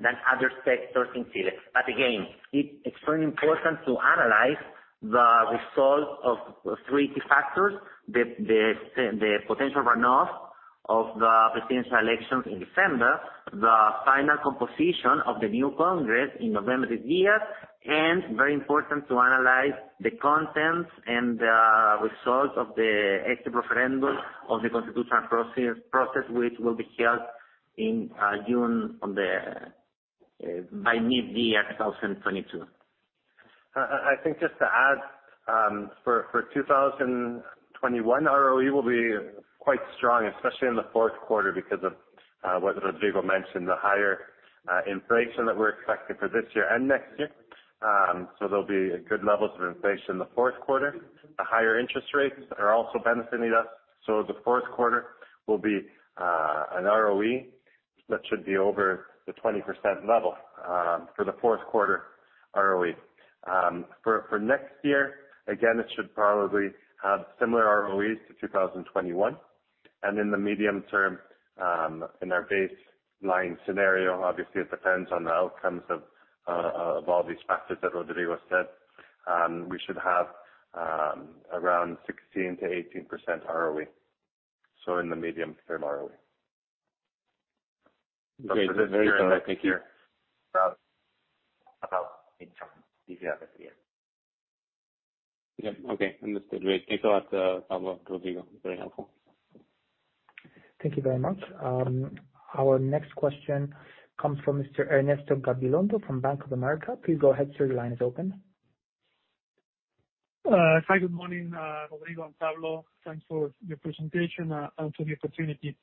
than other sectors in Chile. Again, it's extremely important to analyze the result of three key factors: the potential runoff of the presidential elections in December, the final composition of the new Congress in November this year, and very important to analyze the contents and the results of the exit referendum of the constitutional process which will be held in June on the by mid-year 2022. I think just to add, for 2021 ROE will be quite strong, especially in the fourth quarter because of what Rodrigo mentioned, the higher inflation that we're expecting for this year and next year. There'll be good levels of inflation in the fourth quarter. The higher interest rates are also benefiting us. The fourth quarter will be an ROE that should be over the 20% level for the fourth quarter ROE. For next year, again, it should probably have similar ROEs to 2021. In the medium term, in our baseline scenario, obviously it depends on the outcomes of all these factors that Rodrigo said, we should have around 16%-18% ROE, so in the medium term ROE. Okay. Very clear. Thank you. About in terms of GCF, yes. Okay. Understood. Great. Thanks a lot, Pablo, Rodrigo. Very helpful. Thank you very much. Our next question comes from Mr. Ernesto Gabilondo from Bank of America. Please go ahead, sir. Your line is open. Hi. Good morning, Rodrigo and Pablo. Thanks for the presentation and for the opportunity.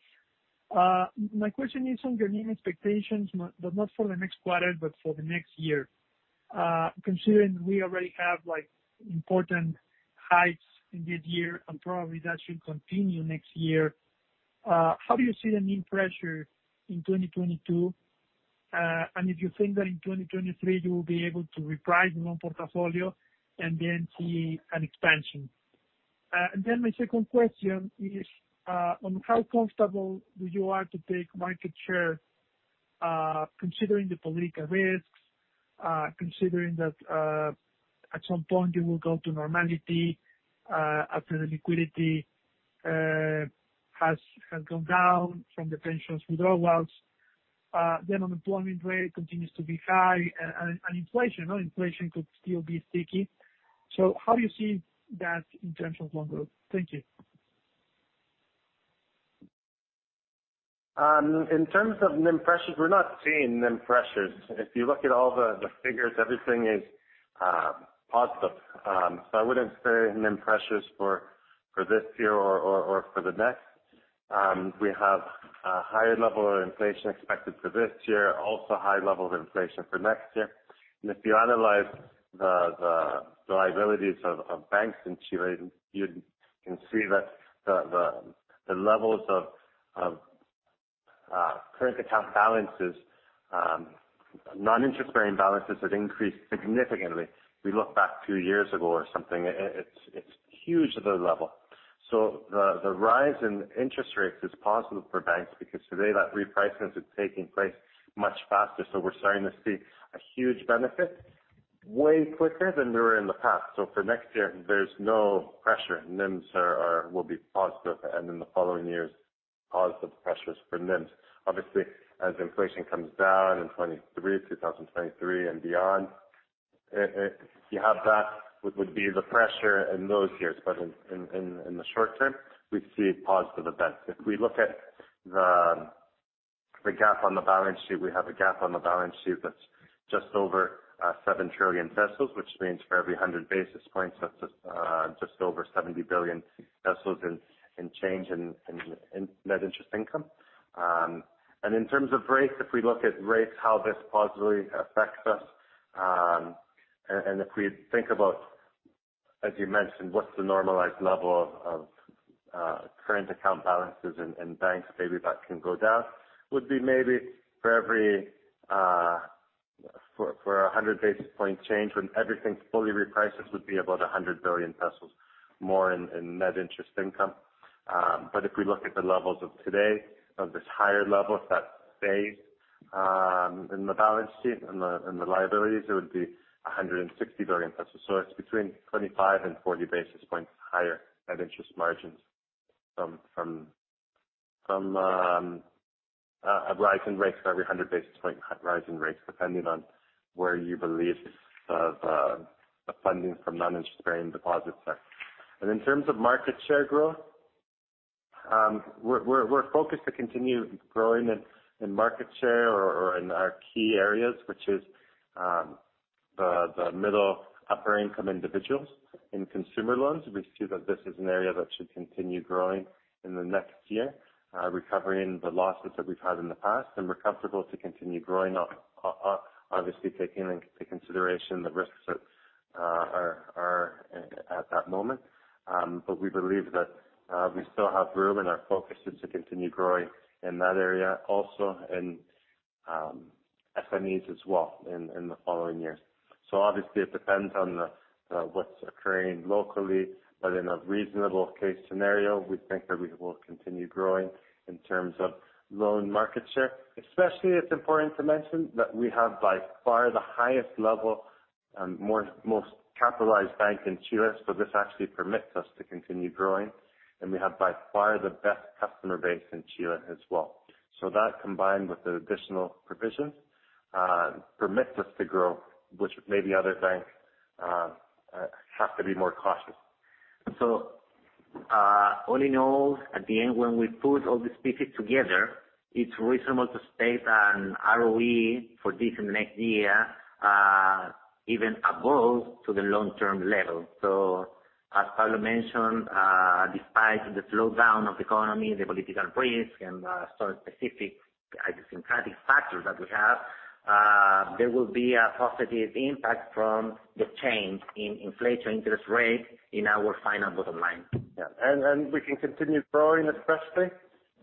My question is on your NIM expectations, but not for the next quarter, but for the next year. Considering we already have, like, important heights in this year and probably that should continue next year, how do you see the NIM pressure in 2022? If you think that in 2023 you will be able to reprice your loan portfolio and then see an expansion. My second question is on how comfortable do you are to take market share, considering the political risks, considering that at some point you will go to normality after the liquidity has gone down from the pensions withdrawals. The unemployment rate continues to be high, and inflation, you know, inflation could still be sticky. How you see that in terms of loan growth? Thank you. In terms of NIM pressures, we're not seeing NIM pressures. If you look at all the figures, everything is positive. I wouldn't say NIM pressures for this year or for the next. We have a higher level of inflation expected for this year, also high level of inflation for next year. If you analyze the liabilities of banks in Chile, you can see that the levels of current account balances, non-interest bearing balances have increased significantly. We look back two years ago or something, it's huge at the level. The rise in interest rates is positive for banks because today that repricing is taking place much faster. We're starting to see a huge benefit way quicker than we were in the past. For next year, there's no pressure. NIMs will be positive, and in the following years, positive pressures for NIMs. Obviously, as inflation comes down in 2023 and beyond, you have that would be the pressure in those years. In the short term, we see positive events. If we look at the gap on the balance sheet, we have a gap on the balance sheet that's just over 7 trillion pesos, which means for every 100 basis points, that's just over 70 billion pesos in change in net interest income. In terms of rates, if we look at rates, how this positively affects us, and if we think about, as you mentioned, what's the normalized level of current account balances in banks, maybe that can go down, would be maybe for a 100 basis point change when everything's fully repriced, this would be about 100 billion pesos more in net interest income. If we look at the levels of today, of this higher level that stays in the balance sheet and the liabilities, it would be 160 billion pesos. It's between 25 and 40 basis points higher net interest margins from a rise in rates for every 100 basis point rise in rates, depending on where you believe the funding from non-interest bearing deposits are. In terms of market share growth, we're focused to continue growing in market share or in our key areas, which is the middle upper income individuals in consumer loans. We see that this is an area that should continue growing in the next year, recovering the losses that we've had in the past. We're comfortable to continue growing obviously taking into consideration the risks that are at that moment. We believe that we still have room and our focus is to continue growing in that area, also in SMEs as well in the following years. Obviously, it depends on what's occurring locally. In a reasonable case scenario, we think that we will continue growing in terms of loan market share. Especially it's important to mention that we have by far the highest level and most capitalized bank in Chile, so this actually permits us to continue growing. We have by far the best customer base in Chile as well. That combined with the additional provisions permits us to grow, which maybe other banks have to be more cautious. All in all, at the end, when we put all these pieces together, it's reasonable to state an ROE for this and next year, even above to the long-term level. As Pablo mentioned, despite the slowdown of the economy, the political risk and, sort of specific idiosyncratic factors that we have, there will be a positive impact from the change in inflation interest rate in our final bottom line. We can continue growing, especially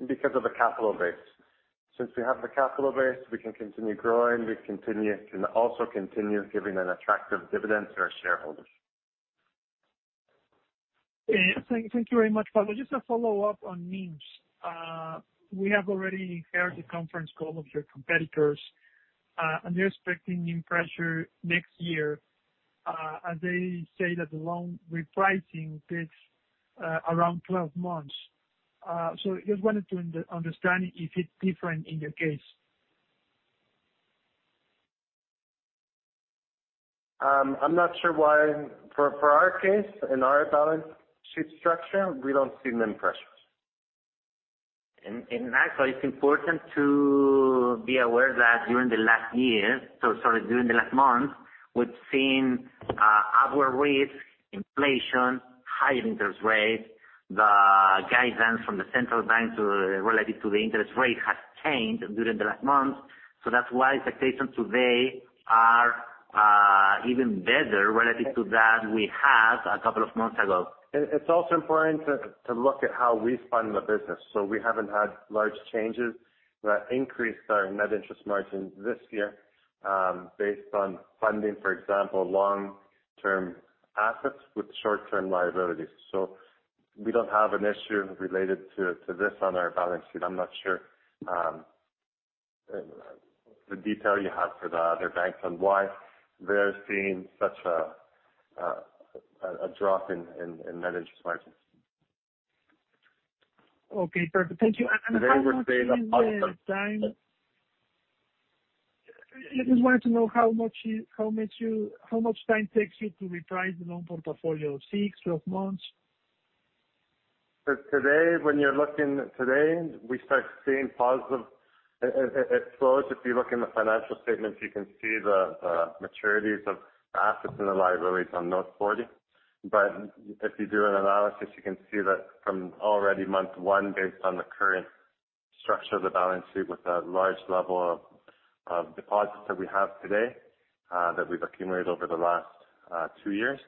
because of the capital base. Since we have the capital base, we can continue growing. We can also continue giving an attractive dividend to our shareholders. Yeah. Thank you very much, Pablo. Just a follow-up on NIMs. We have already heard the conference call of your competitors. They're expecting new pressure next year, as they say that the loan repricing takes around 12 months. Just wanted to understand if it's different in your case. I'm not sure why. For our case and our balance sheet structure, we don't see many pressures. Actually, it's important to be aware that during the last year, sorry, during the last month, we've seen outward risk, inflation, high interest rates. The guidance from the central bank related to the interest rate has changed during the last month. That's why expectations today are even better relative to that we had a couple of months ago. It's also important to look at how we fund the business. We haven't had large changes that increased our net interest margin this year, based on funding, for example, long-term assets with short-term liabilities. We don't have an issue related to this on our balance sheet. I'm not sure the detail you have for the other banks on why they're seeing such a drop in net interest margins. Okay, perfect. Thank you. How much is the time- They were saying. I just wanted to know how much time it takes you to reprice the loan portfolio, 6, 12 months? Today, when you're looking today, we start seeing positive explosions. If you look in the financial statements, you can see the maturities of assets and the liabilities on note 40. If you do an analysis, you can see that from already month 1, based on the current structure of the balance sheet, with a large level of deposits that we have today, that we've accumulated over the last two years,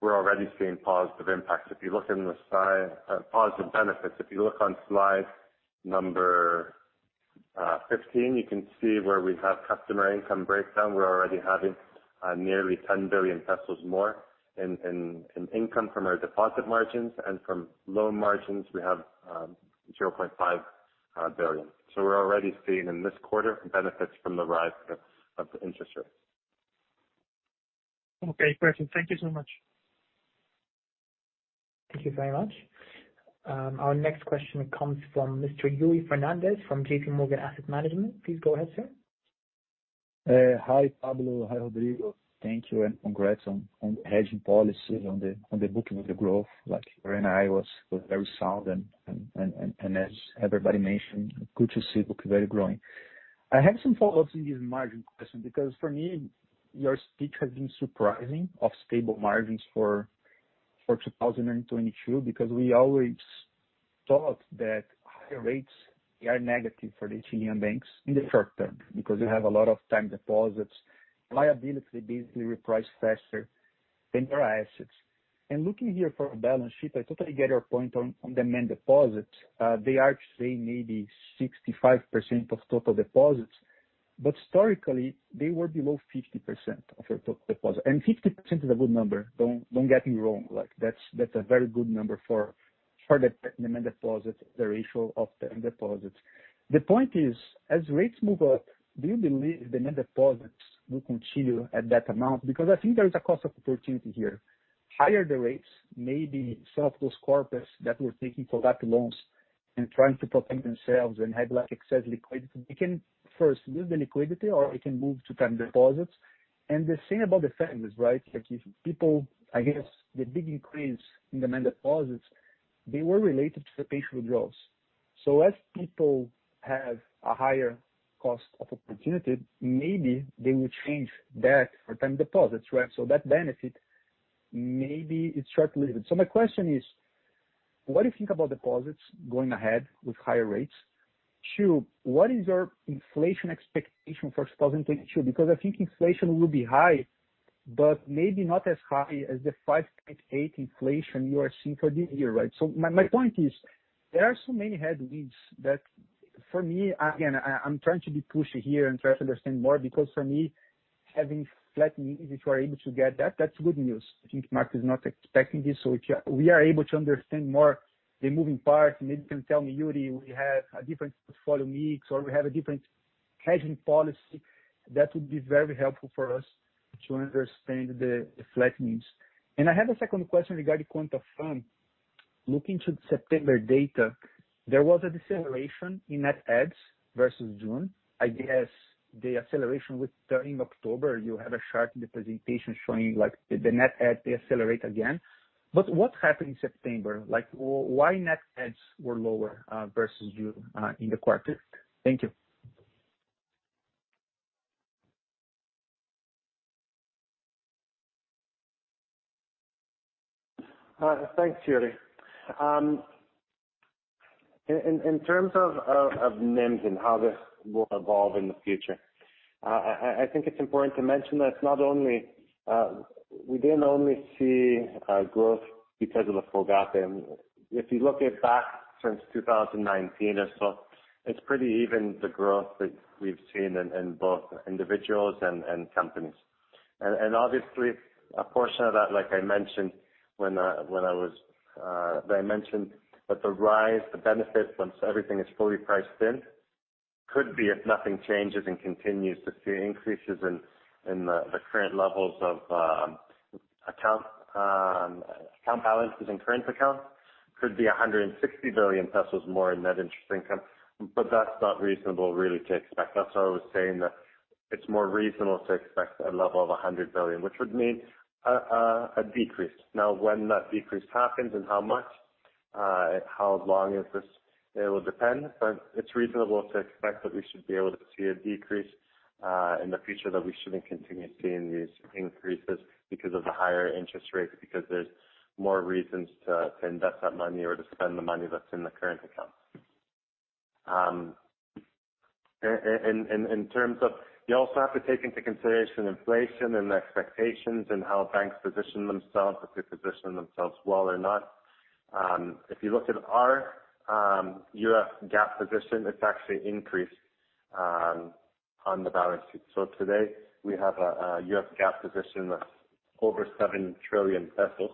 we're already seeing positive impacts. If you look in the slide, positive benefits. If you look on slide number 15, you can see where we have customer income breakdown. We're already having nearly 10 billion pesos more in income from our deposit margins and from loan margins we have 0.5 billion. We're already seeing in this quarter benefits from the rise of the interest rates. Okay, perfect. Thank you so much. Thank you very much. Our next question comes from Mr. Yuri Fernandes from JPMorgan Asset Management. Please go ahead, sir. Hi, Pablo. Hi, Rodrigo. Thank you, and congrats on hedging policies on the booking of the growth. Like RNAi was very sound and as everybody mentioned, good to see book value growing. I have some follow-ups in this margin question because for me, your speech has been surprising of stable margins for 2022, because we always thought that higher rates are negative for the Chilean banks in the short term, because you have a lot of time deposits, liabilities, they basically reprice faster than your assets. Looking here for a balance sheet, I totally get your point on demand deposits. They are actually maybe 65% of total deposits, but historically they were below 50% of your total deposit. 50% is a good number. Don't get me wrong. Like that's a very good number for the demand deposits, the ratio of the deposits. The point is, as rates move up, do you believe the demand deposits will continue at that amount? Because I think there is a cost opportunity here. Higher the rates, maybe some of those corporates that were taking for that loans and trying to protect themselves and have like excess liquidity, they can first lose the liquidity or they can move to time deposits. The thing about the families, right? I guess the big increase in demand deposits, they were related to the pension withdrawals. As people have a higher cost of opportunity, maybe they will change that for time deposits, right? That benefit, maybe it's short-lived. My question is: What do you think about deposits going ahead with higher rates? Two, what is your inflation expectation for 2022? I think inflation will be high, but maybe not as high as the 5.8% inflation you are seeing for this year, right? My point is there are so many headwinds that for me, again, I'm trying to be pushy here and try to understand more because for me, having flat means if you are able to get that's good news. I think market is not expecting this. If we are able to understand more the moving parts, maybe you can tell me, Yuri, we have a different portfolio mix or we have a different hedging policy, that would be very helpful for us to understand the flat needs. I have a second question regarding Cuenta FAN. Looking to the September data, there was a deceleration in net adds versus June. I guess the acceleration with during October, you have a chart in the presentation showing like the net add, they accelerate again. What happened in September? Like, why net adds were lower versus June in the quarter? Thank you. Thanks, Yuri. In terms of NIMs and how this will evolve in the future, I think it's important to mention that it's not only we didn't only see growth because of the FOGAPE. If you look at back since 2019 or so, it's pretty even the growth that we've seen in both individuals and companies. Obviously a portion of that, like I mentioned that the rise, the benefit once everything is fully priced in could be, if nothing changes and continues to see increases in the current levels of account balances in current accounts, could be 160 billion pesos more in net interest income. That's not reasonable really to expect. That's why I was saying that it's more reasonable to expect a level of UF 100 billion, which would mean a decrease. When that decrease happens and how much, how long is this, it will depend, but it's reasonable to expect that we should be able to see a decrease in the future, that we shouldn't continue seeing these increases because of the higher interest rates, because there's more reasons to invest that money or to spend the money that's in the current account. You also have to take into consideration inflation and the expectations and how banks position themselves, if they position themselves well or not. If you look at our UF gap position, it's actually increased on the balance sheet. Today we have a UF gap position that's over 7 trillion pesos,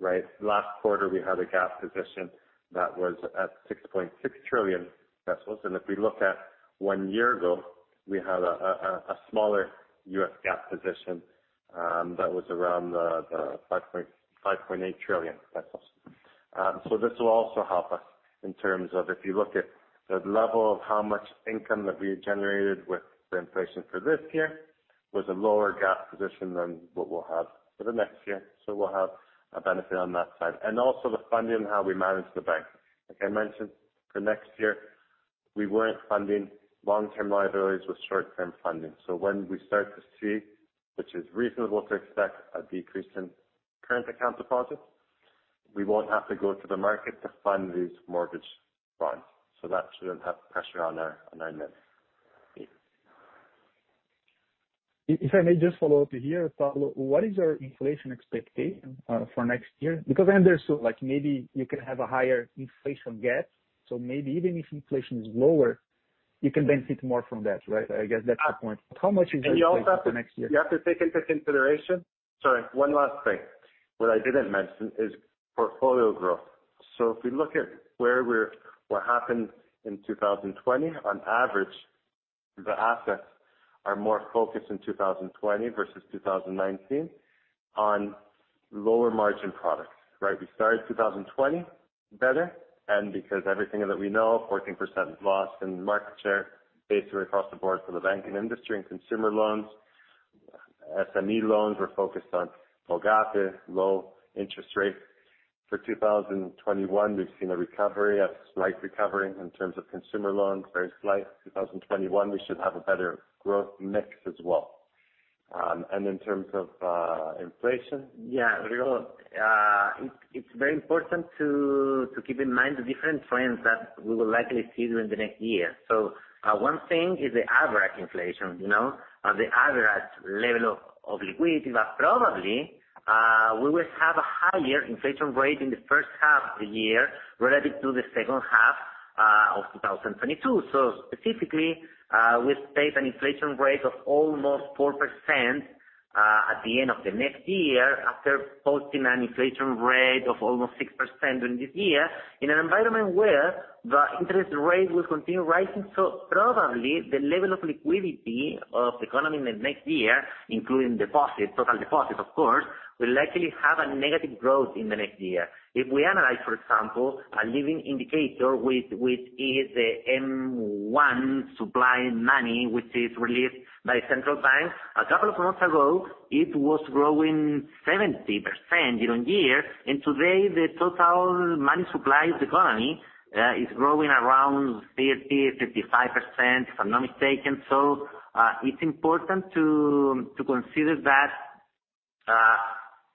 right? Last quarter we had a UF gap position that was at 6.6 trillion pesos. If we look at one year ago, we had a smaller UF gap position that was around 5.8 trillion pesos. This will also help us in terms of if you look at the level of how much income that we generated with the inflation for this year, with a lower UF gap position than what we'll have for the next year. We'll have a benefit on that side. Also the funding, how we manage the bank. Like I mentioned, for next year, we weren't funding long-term liabilities with short-term funding. When we start to see, which is reasonable to expect, a decrease in current account deposits, we won't have to go to the market to fund these mortgage bonds. That shouldn't have pressure on our NIM either. If I may just follow up here, Pablo, what is your inflation expectation for next year? I understand, like, maybe you can have a higher inflation gap, so maybe even if inflation is lower, you can benefit more from that, right? I guess that's the point. How much is your expectation for next year? You have to take into consideration. Sorry, one last thing. What I didn't mention is portfolio growth. If we look at where we're what happened in 2020, on average, the assets are more focused in 2020 versus 2019 on lower margin products, right? We started 2020 better, because everything that we know, 14% loss in market share basically across the board for the banking industry and consumer loans. SME loans were focused on FOGAPE, low interest rates. For 2021, we've seen a recovery, a slight recovery in terms of consumer loans, very slight. 2021, we should have a better growth mix as well. In terms of inflation? It's very important to keep in mind the different trends that we will likely see during the next year. One thing is the average inflation, you know, the average level of liquidity. Probably, we will have a higher inflation rate in the first half of the year relative to the second half of 2022. Specifically, we expect an inflation rate of almost 4% at the end of the next year after posting an inflation rate of almost 6% during this year in an environment where the interest rate will continue rising. Probably the level of liquidity of the economy in the next year, including deposits, total deposits of course, will likely have a negative growth in the next year. If we analyze, for example, a leading indicator which is the M1 supply money, which is released by central banks. A couple of months ago, it was growing 70% year-over-year. Today the total money supply of the economy is growing around 30%-55%, if I'm not mistaken. It's important to consider that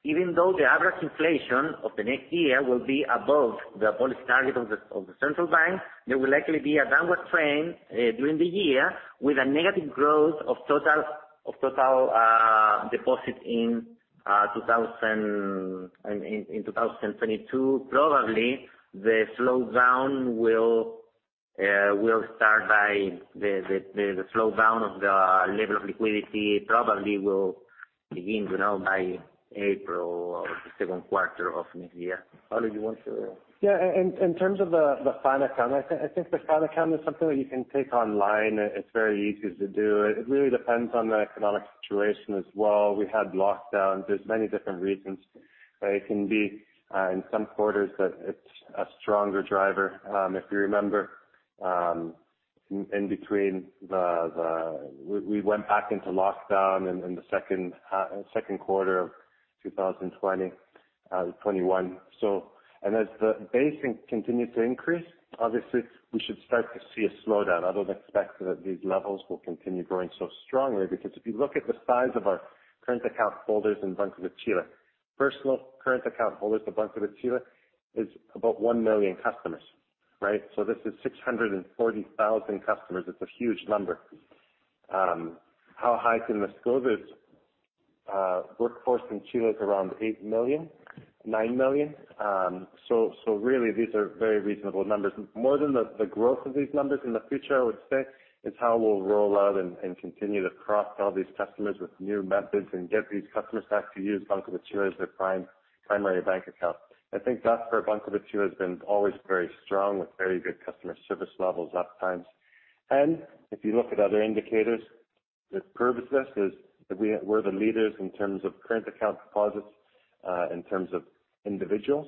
even though the average inflation of the next year will be above the policy target of the central bank, there will likely be a downward trend during the year with a negative growth of total deposits in 2022. Probably the slowdown will start by the slowdown of the level of liquidity probably will begin, you know, by April or the second quarter of next year. Pablo, do you want to.. Yeah. I, in terms of the final count, I think the final count is something that you can take online. It's very easy to do. It really depends on the economic situation as well. We had lockdowns. There's many different reasons. It can be in some quarters that it's a stronger driver. If you remember, we went back into lockdown in the second quarter of 2020, 2021. As the basing continues to increase, obviously we should start to see a slowdown. I don't expect that these levels will continue growing so strongly because if you look at the size of our current account holders in Banco de Chile, personal current account holders of Banco de Chile is about 1 million customers, right? This is 640,000 customers. It's a huge number. How high can this go? There's a workforce in Chile of around 8 million, 9 million. Really these are very reasonable numbers. More than the growth of these numbers in the future, I would say, is how we'll roll out and continue to cross-sell these customers with new methods and get these customers back to use Banco de Chile as their primary bank account. I think that for Banco de Chile has been always very strong with very good customer service levels at times. If you look at other indicators, the Net Promoter Score is we're the leaders in terms of current account deposits in terms of individuals.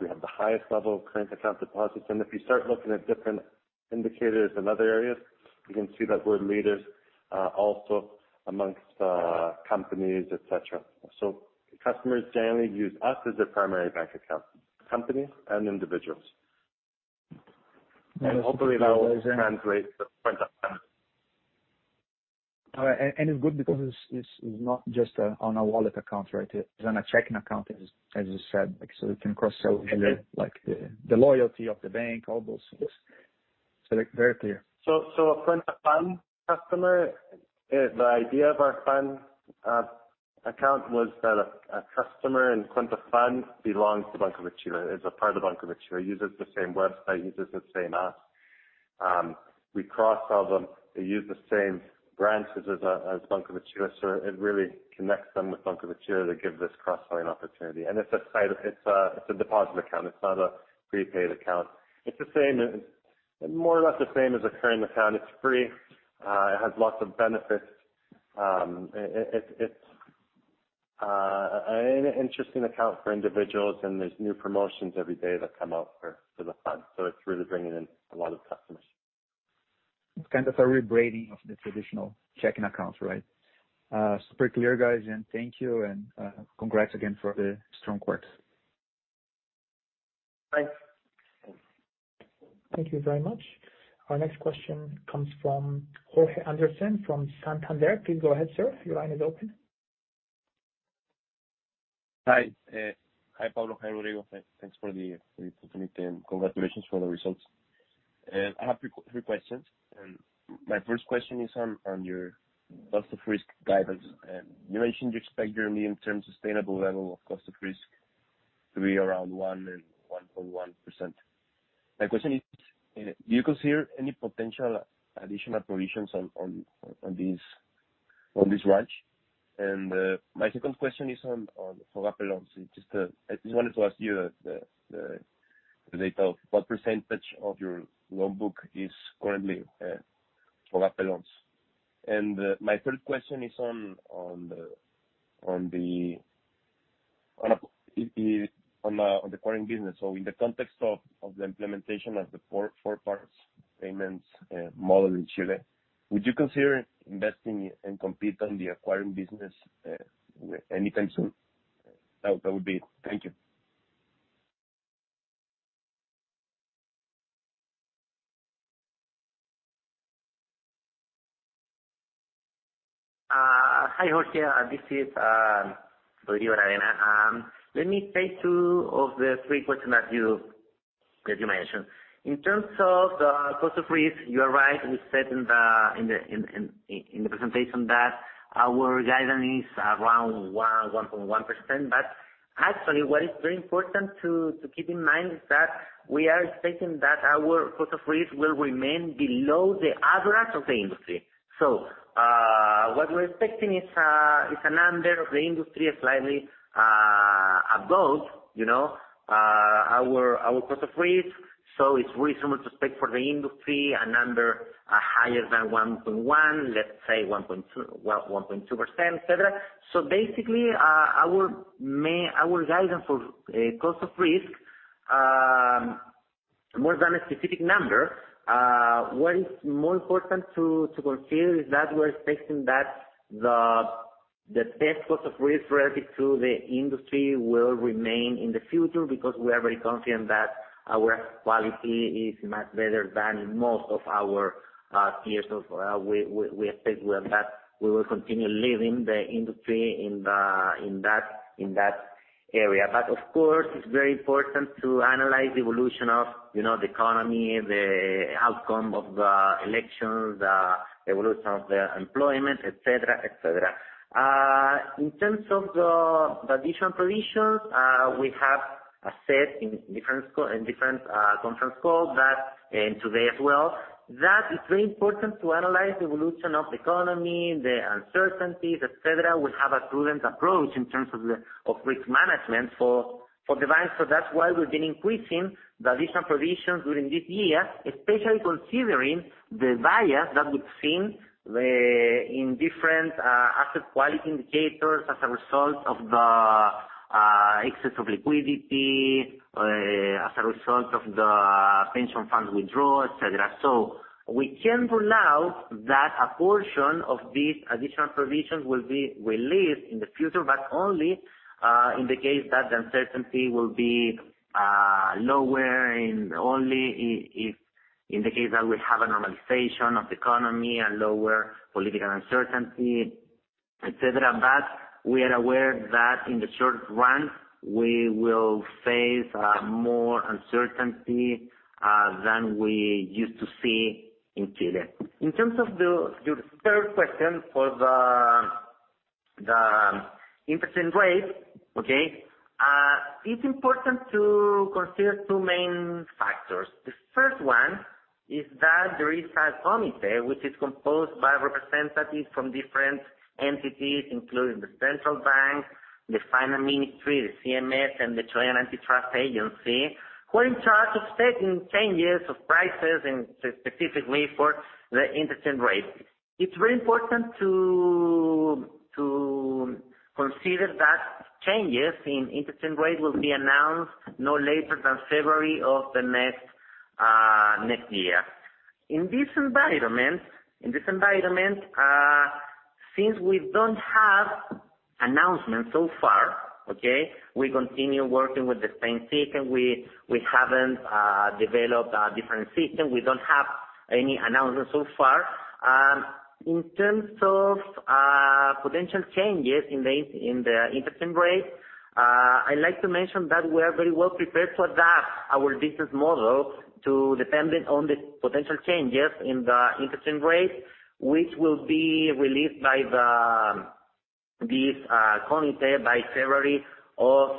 We have the highest level of current account deposits. If you start looking at different indicators in other areas, you can see that we're leaders, also amongst companies, et cetera. Customers generally use us as their primary bank account, companies and individuals. Hopefully that will translate to front of house. It's good because it's not just on a wallet account, right? It's on a checking account, as you said. We can cross-sell like the loyalty of the bank, all those things. Very clear. A Cuenta FAN customer, the idea of our FAN account was that a customer in Cuenta FAN belongs to Banco de Chile, is a part of Banco de Chile. Uses the same website, uses the same app. We cross-sell them. They use the same branches as Banco de Chile, so it really connects them with Banco de Chile to give this cross-selling opportunity. It's a deposit account. It's not a prepaid account. More or less the same as a current account. It's free. It has lots of benefits. It's an interesting account for individuals, and there's new promotions every day that come out for the FANs. It's really bringing in a lot of customers. It's kind of a rebranding of the traditional checking accounts, right? Super clear, guys. Thank you and congrats again for the strong quarter. Thanks. Thank you very much. Our next question comes from Jorge Anderson from Santander. Hi. Hi, Pablo. Hi, Rodrigo. Thanks for the opportunity and congratulations for the results. I have three questions. My first question is on your cost of risk guidance. You mentioned you expect your medium-term sustainable level of cost of risk to be around 1% and 1.1%. My question is, do you consider any potential additional provisions on this range? My second question is on FOGAPE loans. Just, I just wanted to ask you the data. What percentage of your loan book is currently FOGAPE loans? My third question is on the acquiring business. In the context of the implementation of the four parts payments model in Chile, would you consider investing and compete on the acquiring business anytime soon? That would be it. Thank you. Hi, Jorge Anderson. This is Rodrigo Aravena. Let me take two of the three questions that you mentioned. In terms of the cost of risk, you are right, we said in the presentation that our guidance is around 1.1%. Actually what is very important to keep in mind is that we are expecting that our cost of risk will remain below the average of the industry. What we're expecting is a number of the industry slightly above, you know, our cost of risk. It's reasonable to expect for the industry a number higher than 1.1, let's say 1.2%, 1.2%, et cetera. Basically, our guidance for cost of risk, more than a specific number. What is more important to consider is that we're expecting that the best cost of risk relative to the industry will remain in the future because we are very confident that our quality is much better than most of our peers. We expect that we will continue leading the industry in that area. Of course, it's very important to analyze the evolution of, you know, the economy, the outcome of the elections, evolution of the employment, et cetera, et cetera. In terms of the additional provisions, we have asserted in different conference calls that, and today as well, that it's very important to analyze the evolution of the economy, the uncertainties, et cetera. We have a prudent approach in terms of the risk management for the bank. That's why we've been increasing the additional provisions during this year, especially considering the bias that we've seen, in different, asset quality indicators as a result of the, excess of liquidity, as a result of the pension funds withdrawal, et cetera. We can't rule out that a portion of these additional provisions will be released in the future, but only, in the case that the uncertainty will be, lower and only if in the case that we have a normalization of the economy and lower political uncertainty, et cetera. We are aware that in the short run, we will face, more uncertainty, than we used to see in Chile. In terms of your third question for the interest rate, okay, it's important to consider two main factors. The first one is that there is a committee which is composed by representatives from different entities, including the central bank, the Finance Ministry, the CMF, and the Fiscalía Nacional Económica, who are in charge of stating changes of prices and specifically for the interest rate. It's very important to consider that changes in interest rate will be announced no later than February of the next year. In this environment, since we don't have announcements so far, okay, we continue working with the same seek and we haven't developed a different system. We don't have any announcements so far. In terms of potential changes in the interest rate, I'd like to mention that we are very well prepared to adapt our business model to dependent on the potential changes in the interest rate, which will be released by this committee by February of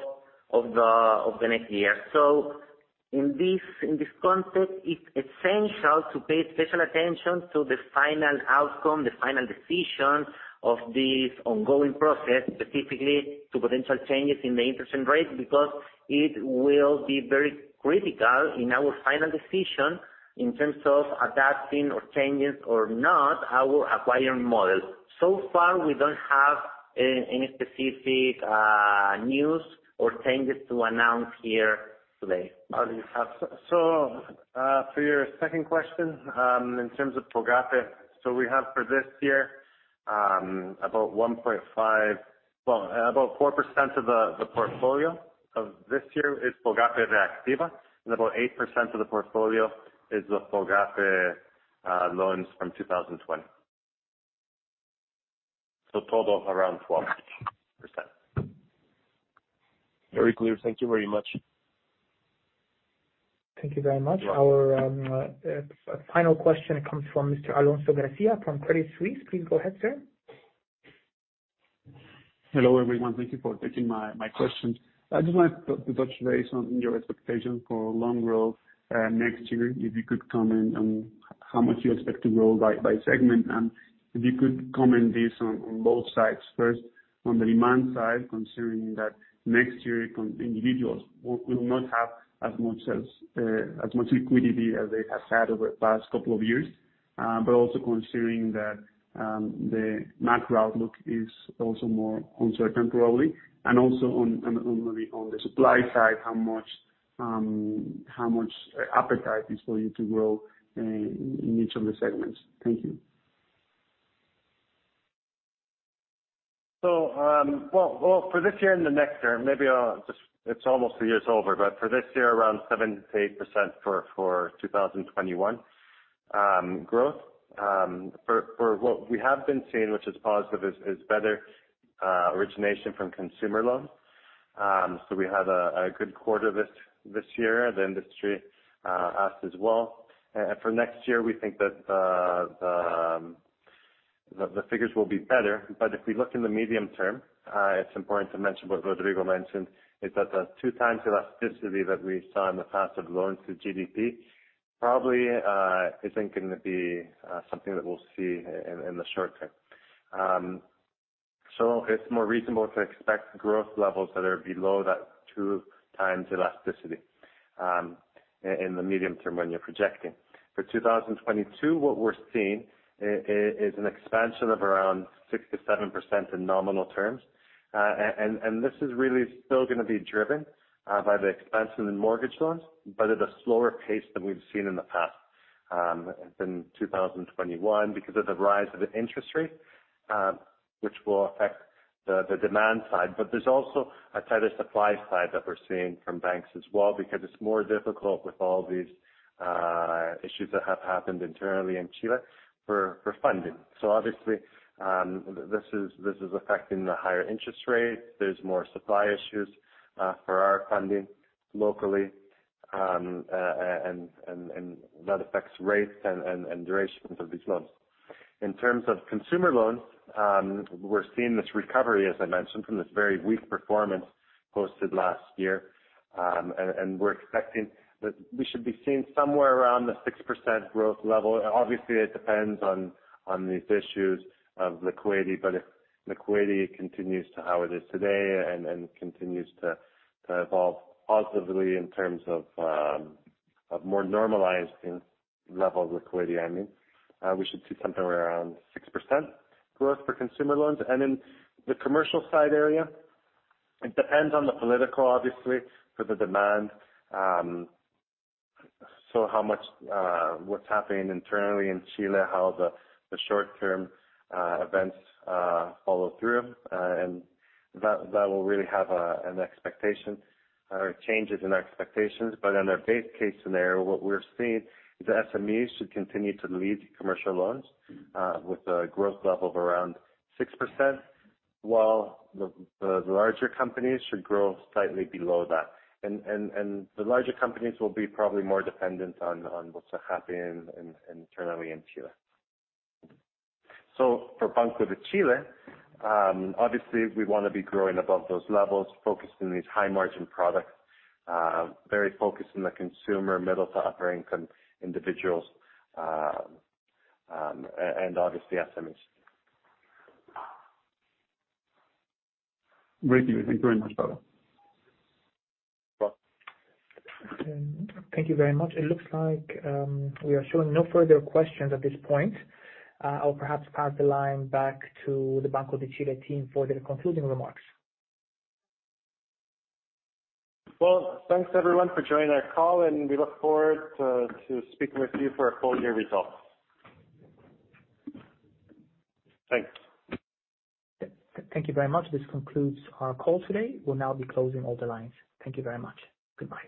the next year. In this, in this context, it's essential to pay special attention to the final outcome, the final decision of this ongoing process, specifically to potential changes in the interest rate, because it will be very critical in our final decision in terms of adapting or changes or not, our acquiring model. So far, we don't have any specific news or changes to announce here today. For your second question, in terms of FOGAPE, we have for this year, 4% of the portfolio of this year is FOGAPE Reactiva, and 8% of the portfolio is the FOGAPE loans from 2020. Total of around 12%. Very clear. Thank you very much. Thank you very much. Our final question comes from Mr. Alonso Garcia from Credit Suisse. Please go ahead, sir. Hello, everyone. Thank you for taking my questions. I just wanted to touch base on your expectations for loan growth next year. If you could comment on how much you expect to grow by segment, and if you could comment this on both sides. First, on the demand side, considering that next year individuals will not have as much as much liquidity as they have had over the past couple of years, but also considering that the macro outlook is also more uncertain probably, and also on the supply side, how much appetite is for you to grow in each of the segments. Thank you. Well, for this year and the next year, It's almost two years over. For this year, around 7%-8% for 2021 growth. For what we have been seeing, which is positive, is better origination from consumer loans. We had a good quarter this year. The industry asked as well. For next year, we think that the figures will be better. If we look in the medium term, it's important to mention what Rodrigo Aravena mentioned, is that the two times elasticity that we saw in the past of loans to GDP probably isn't gonna be something that we'll see in the short term. It's more reasonable to expect growth levels that are below that 2x elasticity in the medium term when you're projecting. For 2022, what we're seeing is an expansion of around 6-7% in nominal terms. This is really still gonna be driven by the expansion in mortgage loans, but at a slower pace than we've seen in the past in 2021 because of the rise of the interest rate, which will affect the demand side. There's also a tighter supply side that we're seeing from banks as well because it's more difficult with all these issues that have happened internally in Chile for funding. Obviously, this is affecting the higher interest rates. There's more supply issues for our funding locally, and that affects rates and durations of these loans. In terms of consumer loans, we're seeing this recovery, as I mentioned, from this very weak performance posted last year, and we're expecting that we should be seeing somewhere around the 6% growth level. Obviously, it depends on these issues of liquidity, but if liquidity continues to how it is today and continues to evolve positively in terms of more normalizing levels of liquidity, I mean, we should see something around 6% growth for consumer loans. In the commercial side area, it depends on the political, obviously, for the demand. How much, what's happening internally in Chile, how the short term events follow through, and that will really have an expectation or changes in expectations, but on a base case scenario, what we're seeing is the SMEs should continue to lead commercial loans, with a growth level of around 6%, while the larger companies should grow slightly below that. The larger companies will be probably more dependent on what's happening internally in Chile. For Banco de Chile, obviously we wanna be growing above those levels, focused in these high margin products, very focused on the consumer, middle to upper income individuals, and obviously SMEs. Great. Thank you very much, Pablo. Thank you very much. It looks like, we are showing no further questions at this point. I'll perhaps pass the line back to the Banco de Chile team for their concluding remarks. Well, thanks everyone for joining our call, and we look forward to speaking with you for our full year results. Thanks. Thank you very much. This concludes our call today. We will now be closing all the lines. Thank you very much. Goodbye.